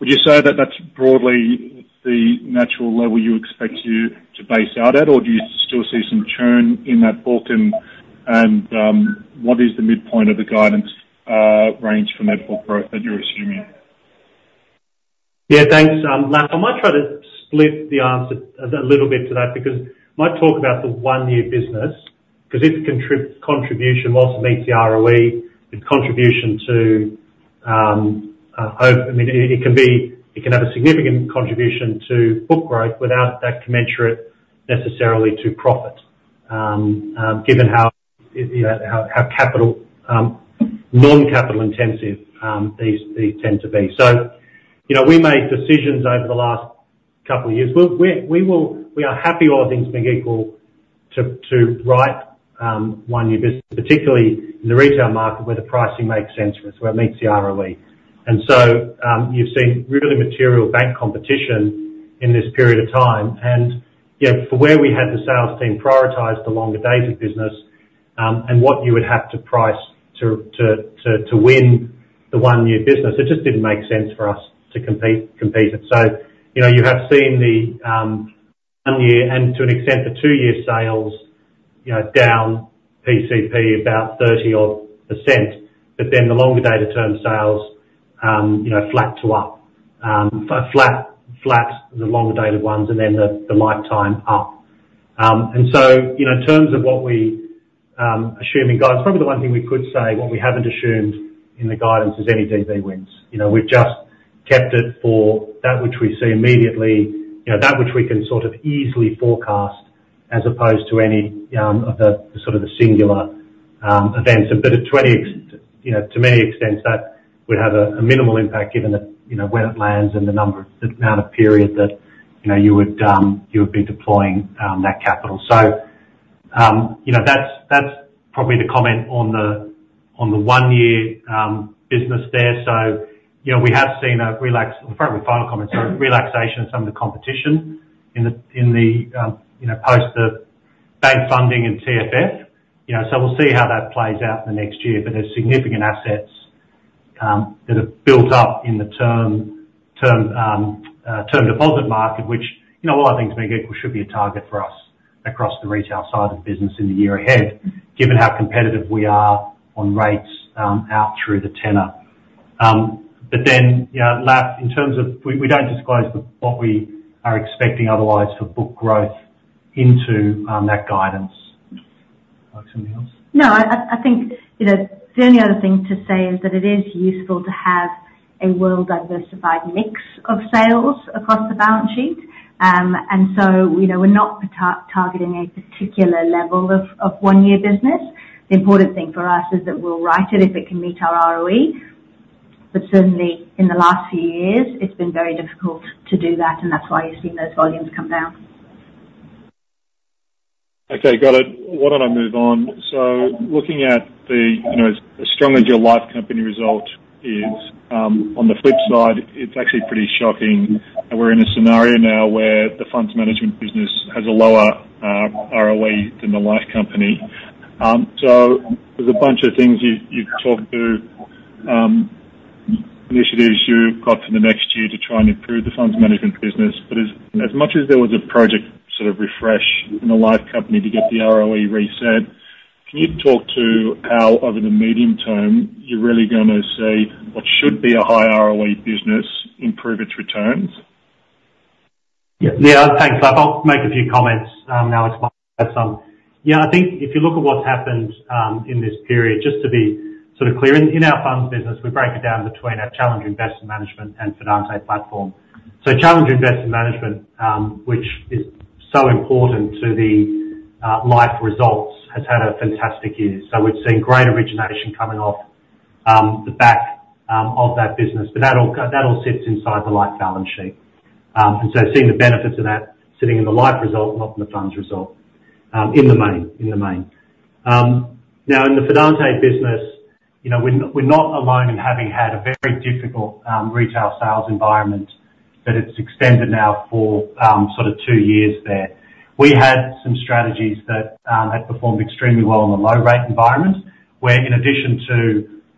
Would you say that that's broadly the natural level you expect to base out at? Or do you still see some churn in that book, and what is the midpoint of the guidance range for net book growth that you're assuming? Yeah, thanks, Lafitani. I might try to split the answer a little bit to that, because I might talk about the one-year business, 'cause its contribution, whilst it meets the ROE, the contribution to, I mean, it can have a significant contribution to book growth without that commensurate necessarily to profit, given how, you know, how capital non-capital intensive these tend to be. So, you know, we made decisions over the last couple years. We are happy, all things being equal, to write one-year business, particularly in the retail market, where the pricing makes sense for us, where it meets the ROE. You've seen really material bank competition in this period of time, and, you know, for where we had the sales team prioritize the longer dated business, and what you would have to price to win the one-year business, it just didn't make sense for us to compete it. So, you know, you have seen the one-year, and to an extent, the two-year sales, you know, down PCP about 30-odd%, but then the longer dated term sales, you know, flat to up. Flat, the longer dated ones, and then the lifetime up. And so, you know, in terms of what we assume in guidance, probably the one thing we could say, what we haven't assumed in the guidance is any DB wins. You know, we've just kept it for that which we see immediately, you know, that which we can sort of easily forecast, as opposed to any of the sort of the singular events. But at 20x, you know, to many extents, that would have a minimal impact given that, you know, where it lands and the amount of period that, you know, you would be deploying that capital. So, you know, that's probably the comment on the one-year business there. So, you know, we have seen a relaxation of some of the competition in the, in the, you know, post the bank funding and TFF. You know, so we'll see how that plays out in the next year, but there's significant assets that have built up in the term deposit market, which, you know, all things being equal, should be a target for us across the retail side of the business in the year ahead, given how competitive we are on rates out through the tenor. But then, you know, Laf, in terms of... We don't disclose what we are expecting otherwise for book growth into that guidance. Want something else? No, I think, you know, the only other thing to say is that it is useful to have a well-diversified mix of sales across the balance sheet. And so, you know, we're not targeting a particular level of one-year business. The important thing for us is that we'll write it if it can meet our ROE. ... but certainly in the last few years, it's been very difficult to do that, and that's why you've seen those volumes come down. Okay, got it. Why don't I move on? So looking at the, you know, as strong as your Life Company result is, on the flip side, it's actually pretty shocking that we're in a scenario now where the Funds Management business has a lower ROE than the Life Company. So there's a bunch of things you've talked to, initiatives you've got for the next year to try and improve the Funds Management business. But as much as there was a project sort of refresh in the Life Company to get the ROE reset, can you talk to how, over the medium term, you're really gonna see what should be a high ROE business, improve its returns? Yeah, yeah, thanks. I'll make a few comments now Alex might add some. Yeah, I think if you look at what's happened in this period, just to be sort of clear, in our funds business, we break it down between our Challenger Investment Management and Fidante platform. So Challenger Investment Management, which is so important to the Life results, has had a fantastic year. So we've seen great origination coming off the back of that business. But that all sits inside the Life balance sheet. And so seeing the benefits of that sitting in the Life result, not in the funds result, in the main. Now in the Fidante business, you know, we're not, we're not alone in having had a very difficult, retail sales environment, but it's extended now for, sort of two years there. We had some strategies that, had performed extremely well in the low rate environment, where in addition to,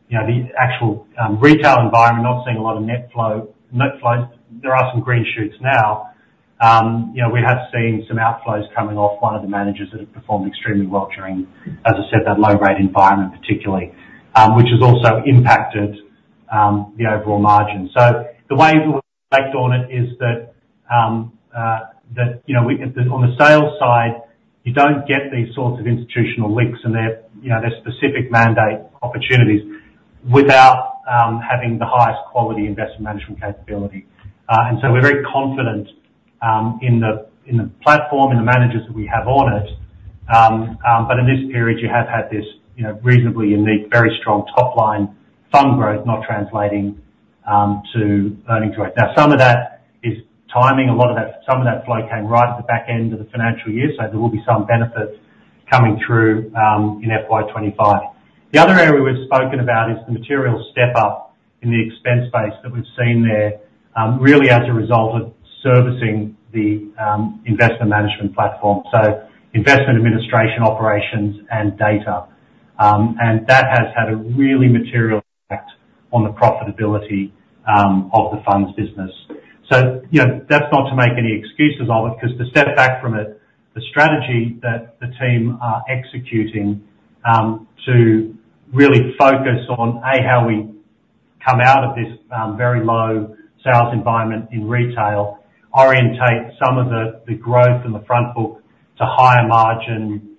you know, the actual, retail environment, not seeing a lot of net flow, net flows, there are some green shoots now. You know, we have seen some outflows coming off one of the managers that have performed extremely well during, as I said, that low rate environment particularly, which has also impacted, the overall margin. So the way we've based on it is that, you know, we, on the sales side, you don't get these sorts of institutional links and their, you know, their specific mandate opportunities without having the highest quality investment management capability. And so we're very confident in the platform, in the managers that we have on it. But in this period, you have had this, you know, reasonably unique, very strong top line fund growth, not translating to earnings growth. Now, some of that is timing. A lot of that, some of that flow came right at the back end of the financial year, so there will be some benefits coming through in FY 2025. The other area we've spoken about is the material step up in the expense base that we've seen there, really as a result of servicing the investment management platform, so investment administration operations and data. And that has had a really material impact on the profitability of the funds business. So you know, that's not to make any excuses of it, 'cause to step back from it, the strategy that the team are executing to really focus on A, how we come out of this very low sales environment in retail, orientate some of the growth in the front book to higher margin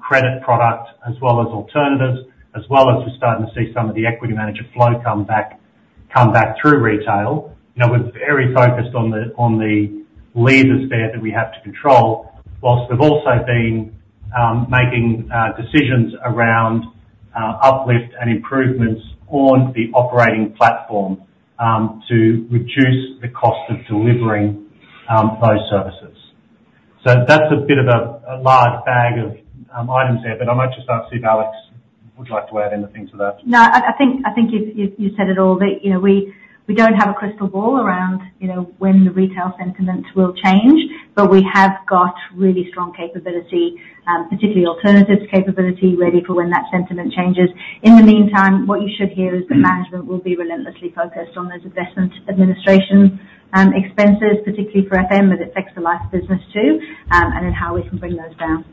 credit product, as well as alternatives, as well as we're starting to see some of the equity manager flow come back, come back through retail. You know, we're very focused on the, on the levers there that we have to control, whilst we've also been making decisions around uplift and improvements on the operating platform to reduce the cost of delivering those services. So that's a bit of a large bag of items there, but I might just ask if Alex would like to add anything to that. No, I think you said it all. That, you know, we don't have a crystal ball around, you know, when the retail sentiment will change, but we have got really strong capability, particularly alternatives capability, ready for when that sentiment changes. In the meantime, what you should hear is that management will be relentlessly focused on those investment administration expenses, particularly for FM, but it affects the Life business, too, and then how we can bring those down.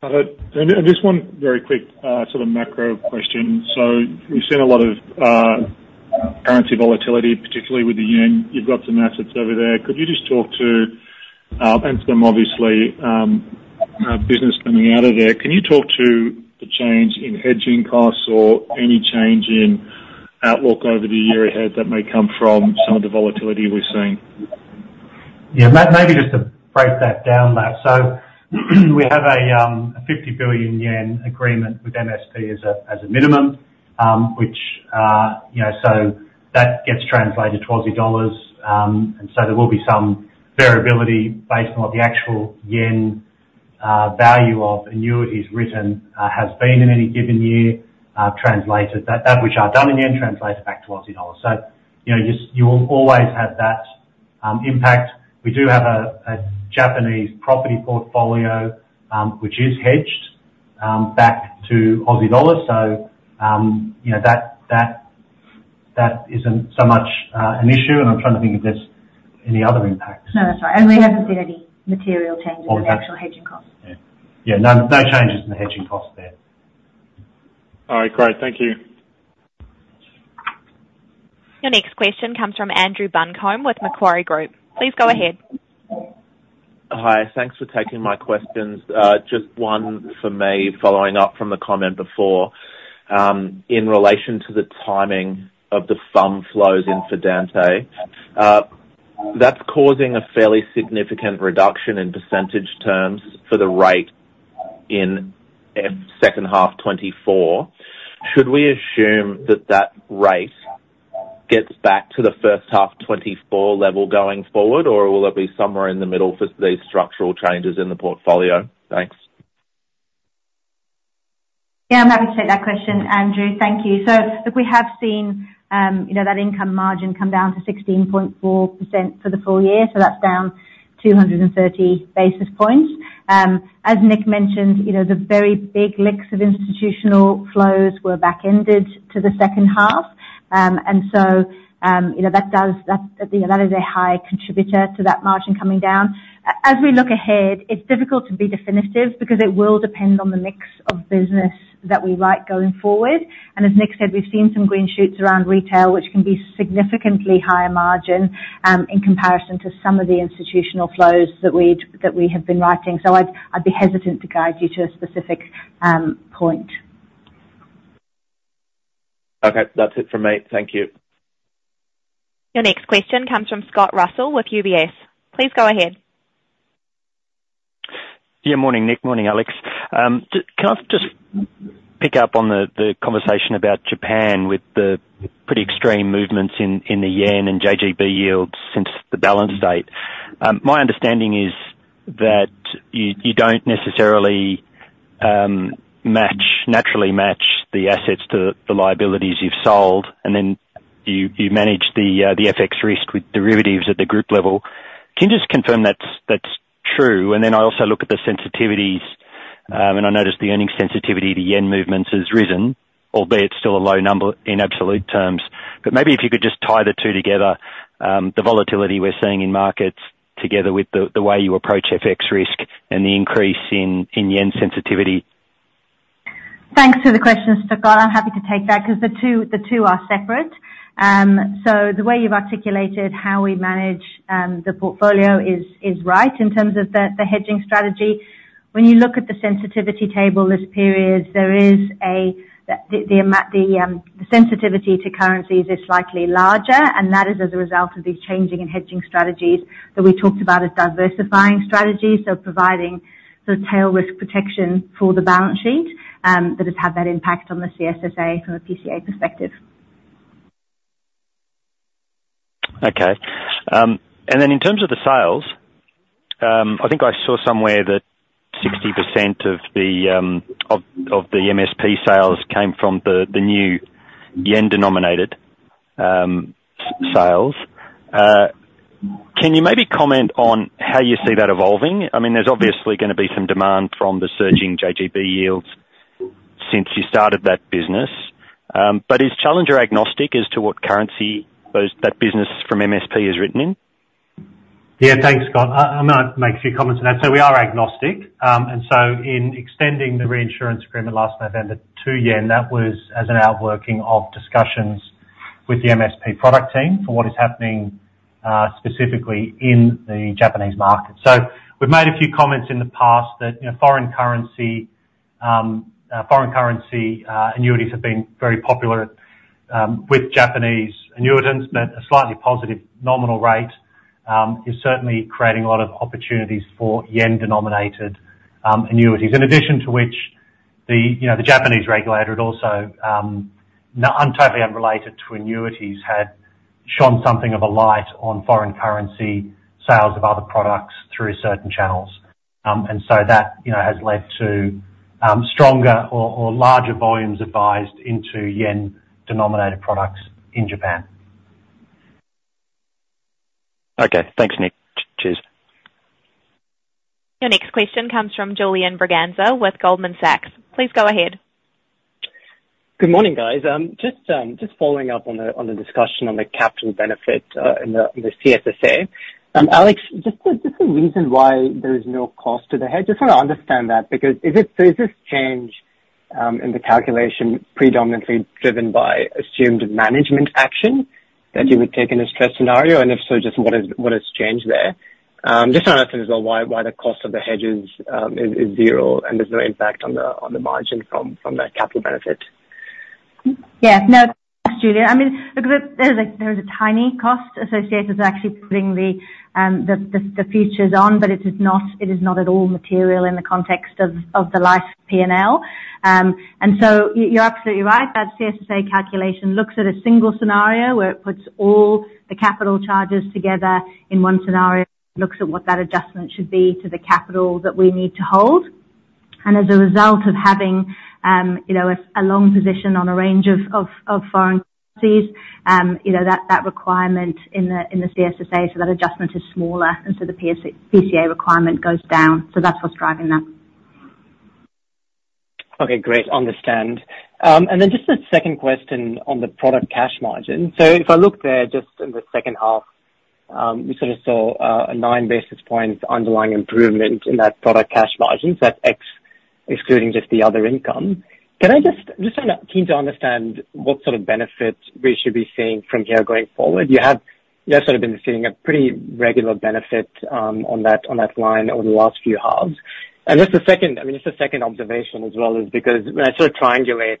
Got it. And just one very quick, sort of macro question. So we've seen a lot of currency volatility, particularly with the yen. You've got some assets over there. Could you just talk to and some obviously business coming out of there. Can you talk to the change in hedging costs or any change in outlook over the year ahead that may come from some of the volatility we're seeing? Yeah, maybe just to break that down, Matt. So, we have a 50 billion yen agreement with MSP as a minimum, which, you know, so that gets translated to Aussie dollars. And so there will be some variability based on what the actual yen value of annuities written has been in any given year, translated. That which are done in yen, translated back to Aussie dollars. So, you know, you will always have that impact. We do have a Japanese property portfolio, which is hedged back to Aussie dollars. So, you know, that isn't so much an issue, and I'm trying to think if there's any other impacts. No, that's fine. And we haven't seen any material changes- Okay. in the actual hedging costs. Yeah. Yeah, none, no changes in the hedging costs there. All right, great. Thank you. Your next question comes from Andrew Buncombe with Macquarie Group. Please go ahead. Hi, thanks for taking my questions. Just one for me, following up from the comment before, in relation to the timing of the fund flows in Fidante,... That's causing a fairly significant reduction in percentage terms for the rate in, second half 2024. Should we assume that that rate gets back to the first half 2024 level going forward, or will it be somewhere in the middle for these structural changes in the portfolio? Thanks. Yeah, I'm happy to take that question, Andrew. Thank you. So look, we have seen, you know, that income margin come down to 16.4% for the full year, so that's down 230 basis points. As Nick mentioned, you know, the very big licks of institutional flows were backended to the second half. And so, you know, that does, that, you know, that is a high contributor to that margin coming down. As we look ahead, it's difficult to be definitive because it will depend on the mix of business that we write going forward. And as Nick said, we've seen some green shoots around retail, which can be significantly higher margin, in comparison to some of the institutional flows that we'd, that we have been writing. So I'd, I'd be hesitant to guide you to a specific point. Okay. That's it for me. Thank you. Your next question comes from Scott Russell with UBS. Please go ahead. Yeah, morning, Nick. Morning, Alex. Can I just pick up on the conversation about Japan with the pretty extreme movements in the yen and JGB yields since the balance date? My understanding is that you don't necessarily naturally match the assets to the liabilities you've sold, and then you manage the FX risk with derivatives at the group level. Can you just confirm that's true? And then I also look at the sensitivities, and I noticed the earning sensitivity, the yen movements has risen, albeit still a low number in absolute terms. But maybe if you could just tie the two together, the volatility we're seeing in markets together with the way you approach FX risk and the increase in yen sensitivity. Thanks for the questions, Scott. I'm happy to take that, 'cause the two are separate. So the way you've articulated how we manage the portfolio is right in terms of the hedging strategy. When you look at the sensitivity table this period, the sensitivity to currencies is slightly larger, and that is as a result of these changing and hedging strategies that we talked about as diversifying strategies, so providing the tail risk protection for the balance sheet, that has had that impact on the currency stress from a PCA perspective. Okay. And then in terms of the sales, I think I saw somewhere that 60% of the, of, of the MSP sales came from the, the new yen-denominated, sales. Can you maybe comment on how you see that evolving? I mean, there's obviously gonna be some demand from the surging JGB yields since you started that business, but is Challenger agnostic as to what currency those, that business from MSP is written in? Yeah, thanks, Scott. I'm gonna make a few comments on that. So we are agnostic. And so in extending the reinsurance agreement last November to yen, that was as an outworking of discussions with the MSP product team for what is happening, specifically in the Japanese market. So we've made a few comments in the past that, you know, foreign currency annuities have been very popular with Japanese annuitants, that a slightly positive nominal rate is certainly creating a lot of opportunities for yen-denominated annuities. In addition to which the, you know, the Japanese regulator had also totally unrelated to annuities, had shone something of a light on foreign currency sales of other products through certain channels. And so that, you know, has led to stronger or larger volumes advised into yen-denominated products in Japan. Okay. Thanks, Nick. Cheers. Your next question comes from Julian Braganza with Goldman Sachs. Please go ahead. Good morning, guys. Just following up on the discussion on the capital benefit in the currency stress. Alex, just the reason why there is no cost to the hedge. Just want to understand that, because is it this change in the calculation predominantly driven by assumed management action that you would take in a stress scenario? And if so, just what is, what has changed there? Just want to understand as well why the cost of the hedges is zero and there's no impact on the margin from that capital benefit. Yeah. No, Julian, I mean, look, there is a tiny cost associated with actually putting the features on, but it is not at all material in the context of the Life P&L. And so you're absolutely right. That currency stress calculation looks at a single scenario where it puts all the capital charges together in one scenario, looks at what that adjustment should be to the capital that we need to hold. And as a result of having, you know, a long position on a range of foreign currencies, you know, that requirement in the currency stress, so that adjustment is smaller, and so the PCA requirement goes down. So that's what's driving that. Okay, great. Understand. And then just a second question on the product cash margin. So if I look there, just in the second half, we sort of saw a nine basis points underlying improvement in that product cash margin, so that's excluding just the other income. Can I just kind of keen to understand what sort of benefit we should be seeing from here going forward. You have, you have sort of been seeing a pretty regular benefit, on that, on that line over the last few halves. And just a second observation as well is because when I sort of triangulate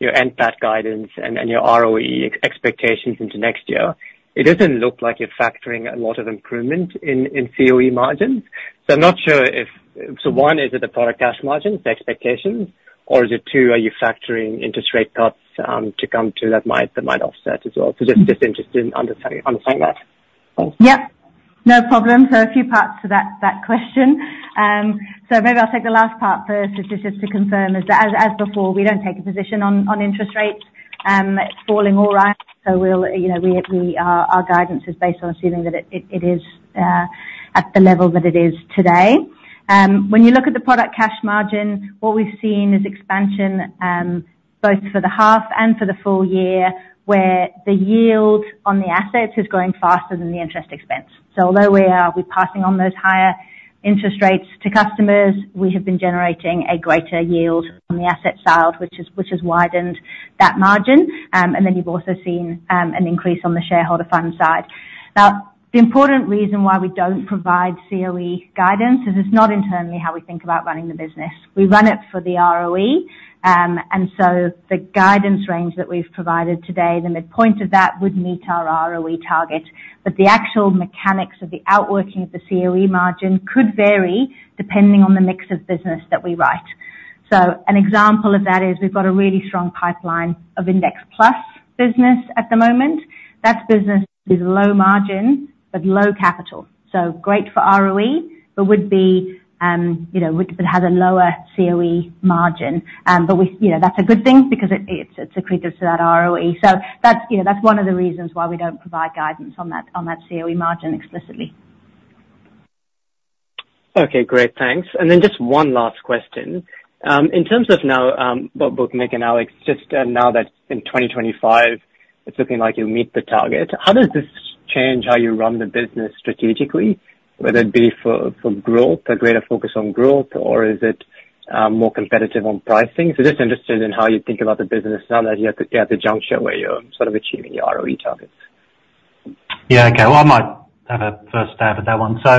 your NPAT guidance and, and your ROE expectations into next year, it doesn't look like you're factoring a lot of improvement in, in COE margins. So I'm not sure if so one, is it the product cash margin, the expectations? Or is it, two, are you factoring interest rate cuts to come to that might offset as well? So just interested in understanding that. Thanks. Yep, no problem. So a few parts to that question. So maybe I'll take the last part first, just to confirm, as before, we don't take a position on interest rates, it's falling all right. So we'll, you know, we, our guidance is based on assuming that it is at the level that it is today. When you look at the product cash margin, what we've seen is expansion, both for the half and for the full year, where the yield on the assets is growing faster than the interest expense. So although we are, we're passing on those higher interest rates to customers, we have been generating a greater yield on the asset side, which has widened that margin. And then you've also seen an increase on the shareholder fund side. Now, the important reason why we don't provide COE guidance is it's not internally how we think about running the business. We run it for the ROE. And so the guidance range that we've provided today, the midpoint of that would meet our ROE target. But the actual mechanics of the outworking of the COE margin could vary, depending on the mix of business that we write. So an example of that is, we've got a really strong pipeline of Index Plus business at the moment. That business is low margin, but low capital, so great for ROE, but would be, you know, it has a lower COE margin. But we, you know, that's a good thing because it, it, it accretes to that ROE. So that's, you know, that's one of the reasons why we don't provide guidance on that, on that COE margin explicitly. Okay, great. Thanks. And then just one last question. In terms of now, both, both Nick and Alex, just, now that in 2025 it's looking like you'll meet the target, how does this change how you run the business strategically, whether it be for, for growth, a greater focus on growth, or is it, more competitive on pricing? So just interested in how you think about the business now that you're at the, you're at the juncture where you're sort of achieving your ROE targets. Yeah, okay. Well, I might have a first stab at that one. So,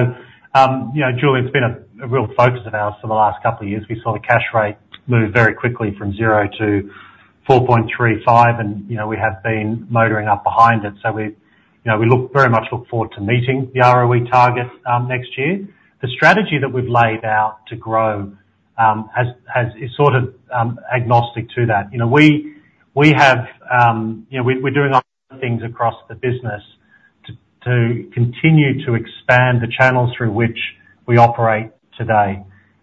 you know, Julie, it's been a real focus of ours for the last couple of years. We saw the cash rate move very quickly from 0 to 4.35, and, you know, we have been motoring up behind it. So we, you know, very much look forward to meeting the ROE target next year. The strategy that we've laid out to grow is sort of agnostic to that. You know, we have, you know, we're doing things across the business to continue to expand the channels through which we operate today.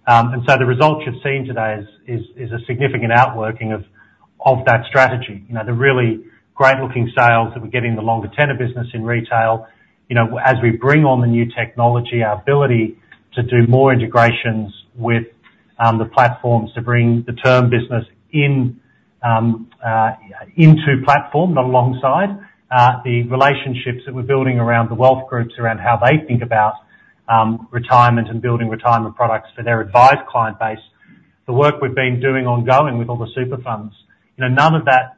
And so the results you've seen today is a significant outworking of that strategy. You know, the really great looking sales that we're getting in the longer tenor business in retail. You know, as we bring on the new technology, our ability to do more integrations with the platforms to bring the term business into platform alongside the relationships that we're building around the wealth groups, around how they think about retirement and building retirement products for their advised client base. The work we've been doing ongoing with all the super funds, you know, none of that,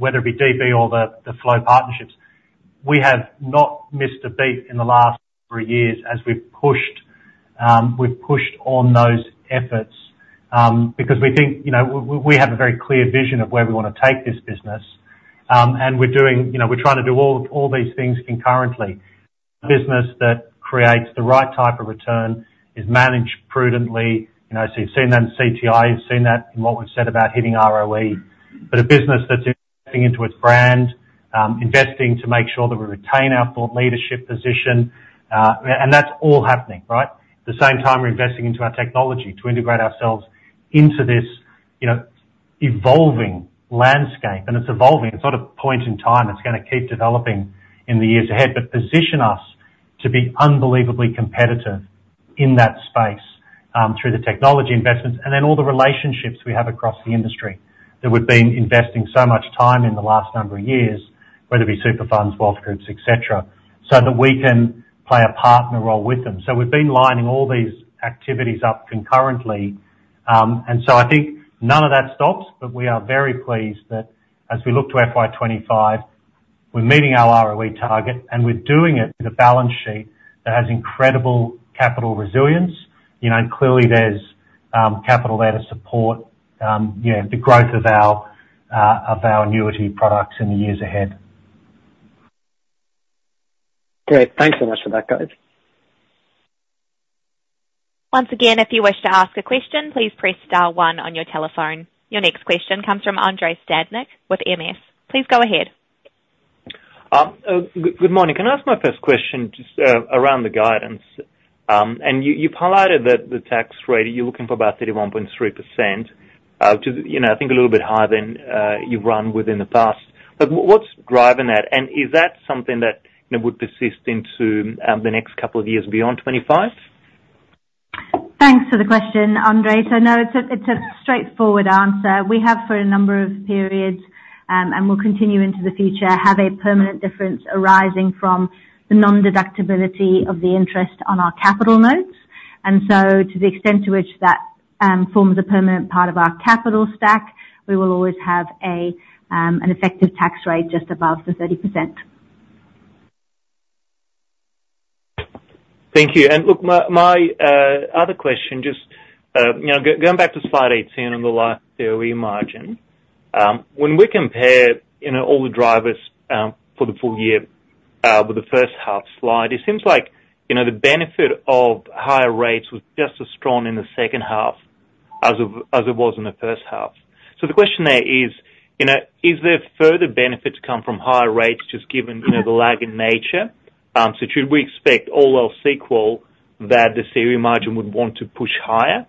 whether it be DB or the flow partnerships, we have not missed a beat in the last three years as we've pushed, we've pushed on those efforts because we think, you know, we have a very clear vision of where we want to take this business. And we're doing... You know, we're trying to do all, all these things concurrently. Business that creates the right type of return is managed prudently. You know, so you've seen that in CTI, you've seen that in what we've said about hitting ROE. But a business that's investing into its brand, investing to make sure that we retain our thought leadership position, and that's all happening, right? At the same time, we're investing into our technology to integrate ourselves into this, you know, evolving landscape. And it's evolving. It's not a point in time. It's gonna keep developing in the years ahead, but position us to be unbelievably competitive in that space, through the technology investments and then all the relationships we have across the industry, that we've been investing so much time in the last number of years, whether it be super funds, wealth groups, et cetera, so that we can play a partner role with them. So we've been lining all these activities up concurrently, and so I think none of that stops, but we are very pleased that as we look to FY 2025, we're meeting our ROE target, and we're doing it with a balance sheet that has incredible capital resilience. You know, and clearly there's capital there to support, you know, the growth of our, of our annuity products in the years ahead. Great. Thanks so much for that, guys. Once again, if you wish to ask a question, please press star one on your telephone. Your next question comes from Andrei Stadnik with Morgan Stanley. Please go ahead. Good morning. Can I ask my first question just around the guidance? And you've highlighted that the tax rate you're looking for about 31.3%, you know, I think a little bit higher than you've run with in the past. But what's driving that, and is that something that, you know, would persist into the next couple of years beyond 2025? Thanks for the question, Andrei. So no, it's a, it's a straightforward answer. We have for a number of periods, and will continue into the future, have a permanent difference arising from the non-deductibility of the interest on our capital notes. And so to the extent to which that, forms a permanent part of our capital stack, we will always have a, an effective tax rate just above the 30%.... Thank you. And look, my other question, just, you know, going back to slide 18 on the last COE margin. When we compare, you know, all the drivers, for the full year, with the first half slide, it seems like, you know, the benefit of higher rates was just as strong in the second half as it was in the first half. So the question there is, you know, is there further benefit to come from higher rates, just given, you know, the lag in nature? So should we expect all else equal, that the COE margin would want to push higher,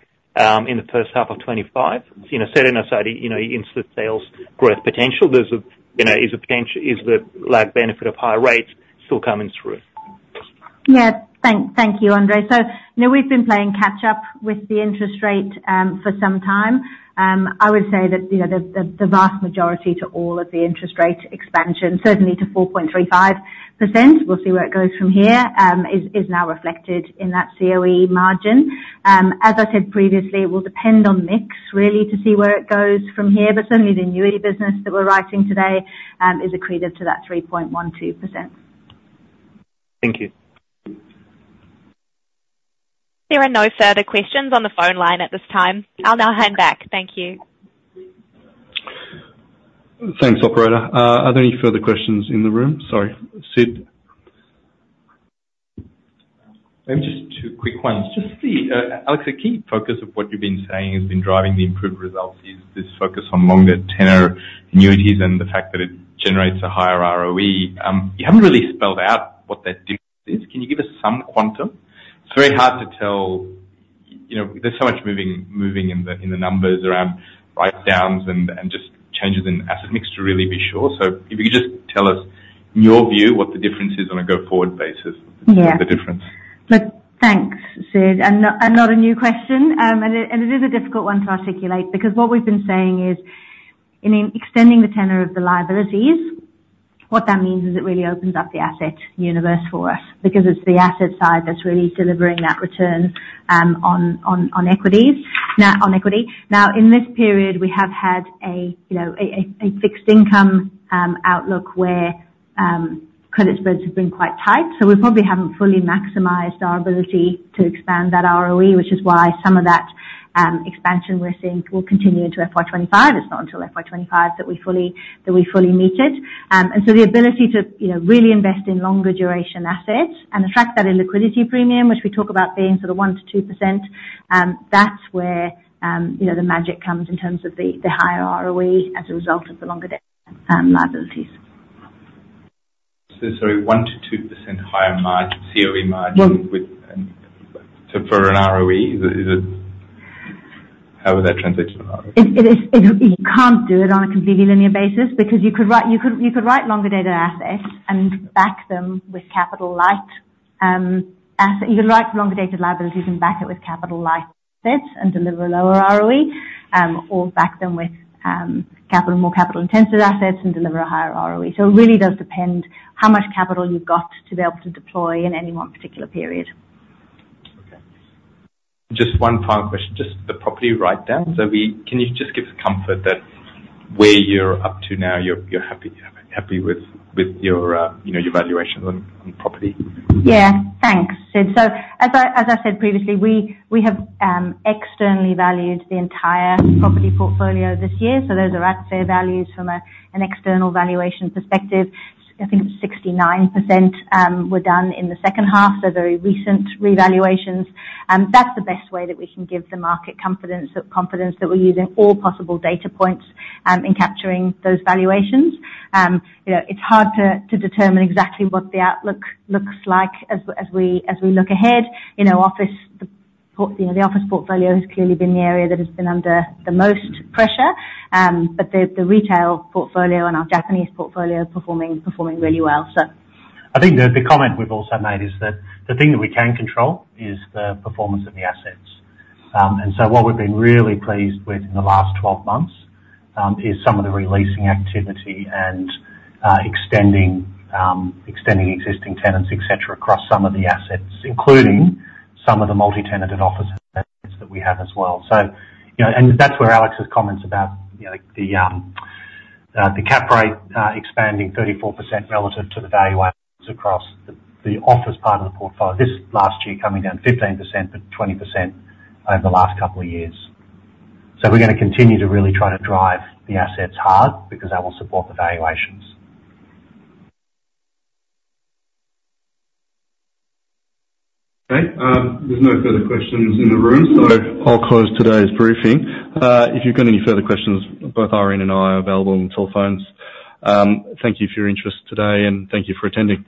in the first half of 2025? You know, setting aside, you know, interest sales growth potential, is the lag benefit of higher rates still coming through? Yeah. Thank you, Andre. So you know, we've been playing catch up with the interest rate for some time. I would say that, you know, the vast majority to all of the interest rate expansion, certainly to 4.35%, we'll see where it goes from here, is now reflected in that COE margin. As I said previously, it will depend on mix really, to see where it goes from here. But certainly the annuity business that we're writing today is accretive to that 3.12%. Thank you. There are no further questions on the phone line at this time. I'll now hand back. Thank you. Thanks, operator. Are there any further questions in the room? Sorry. Sid? Maybe just two quick ones. Just the, Alex, a key focus of what you've been saying has been driving the improved results is this focus on longer tenor annuities and the fact that it generates a higher ROE. You haven't really spelled out what that difference is. Can you give us some quantum? It's very hard to tell. You know, there's so much moving in the, in the numbers around writedowns and just changes in asset mix to really be sure. So if you could just tell us, in your view, what the difference is on a go-forward basis? Yeah. The difference. Look, thanks, Sid. And not a new question. And it is a difficult one to articulate, because what we've been saying is, in extending the tenor of the liabilities, what that means is it really opens up the asset universe for us, because it's the asset side that's really delivering that return on equities. Now, on equity. In this period, we have had a, you know, a fixed income outlook where credit spreads have been quite tight, so we probably haven't fully maximized our ability to expand that ROE, which is why some of that expansion we're seeing will continue into FY25. It's not until FY25 that we fully meet it. the ability to, you know, really invest in longer duration assets and the fact that a liquidity premium, which we talk about being sort of 1%-2%, that's where, you know, the magic comes in terms of the higher ROE as a result of the longer debt liabilities. So, sorry, 1%-2% higher margin, COE margin- Yeah. with, so for an ROE, is it... How would that translate to an ROE? It is, you can't do it on a completely linear basis because you could write longer dated assets and back them with capital light assets and deliver a lower ROE, or back them with more capital-intensive assets and deliver a higher ROE. So it really does depend how much capital you've got to be able to deploy in any one particular period. Okay. Just one final question, just the property writedown. So, can you just give us comfort that where you're up to now, you're happy with your valuations on property? Yeah. Thanks, Sid. So as I said previously, we have externally valued the entire property portfolio this year, so those are at fair values from an external valuation perspective. I think 69% were done in the second half, so very recent revaluations. That's the best way that we can give the market confidence that we're using all possible data points in capturing those valuations. You know, it's hard to determine exactly what the outlook looks like as we look ahead. You know, office, the office portfolio has clearly been the area that has been under the most pressure. But the retail portfolio and our Japanese portfolio are performing really well, so. I think the comment we've also made is that the thing that we can control is the performance of the assets. And so what we've been really pleased with in the last 12 months is some of the re-leasing activity and extending, extending existing tenants, et cetera, across some of the assets, including some of the multi-tenanted office assets that we have as well. So, you know, and that's where Alex's comments about, you know, the cap rate expanding 34% relative to the valuations across the office part of the portfolio this last year, coming down 15%, but 20% over the last couple of years. So we're gonna continue to really try to drive the assets hard, because that will support the valuations. Okay, there's no further questions in the room, so I'll close today's briefing. If you've got any further questions, both Irene and I are available on the telephones. Thank you for your interest today, and thank you for attending.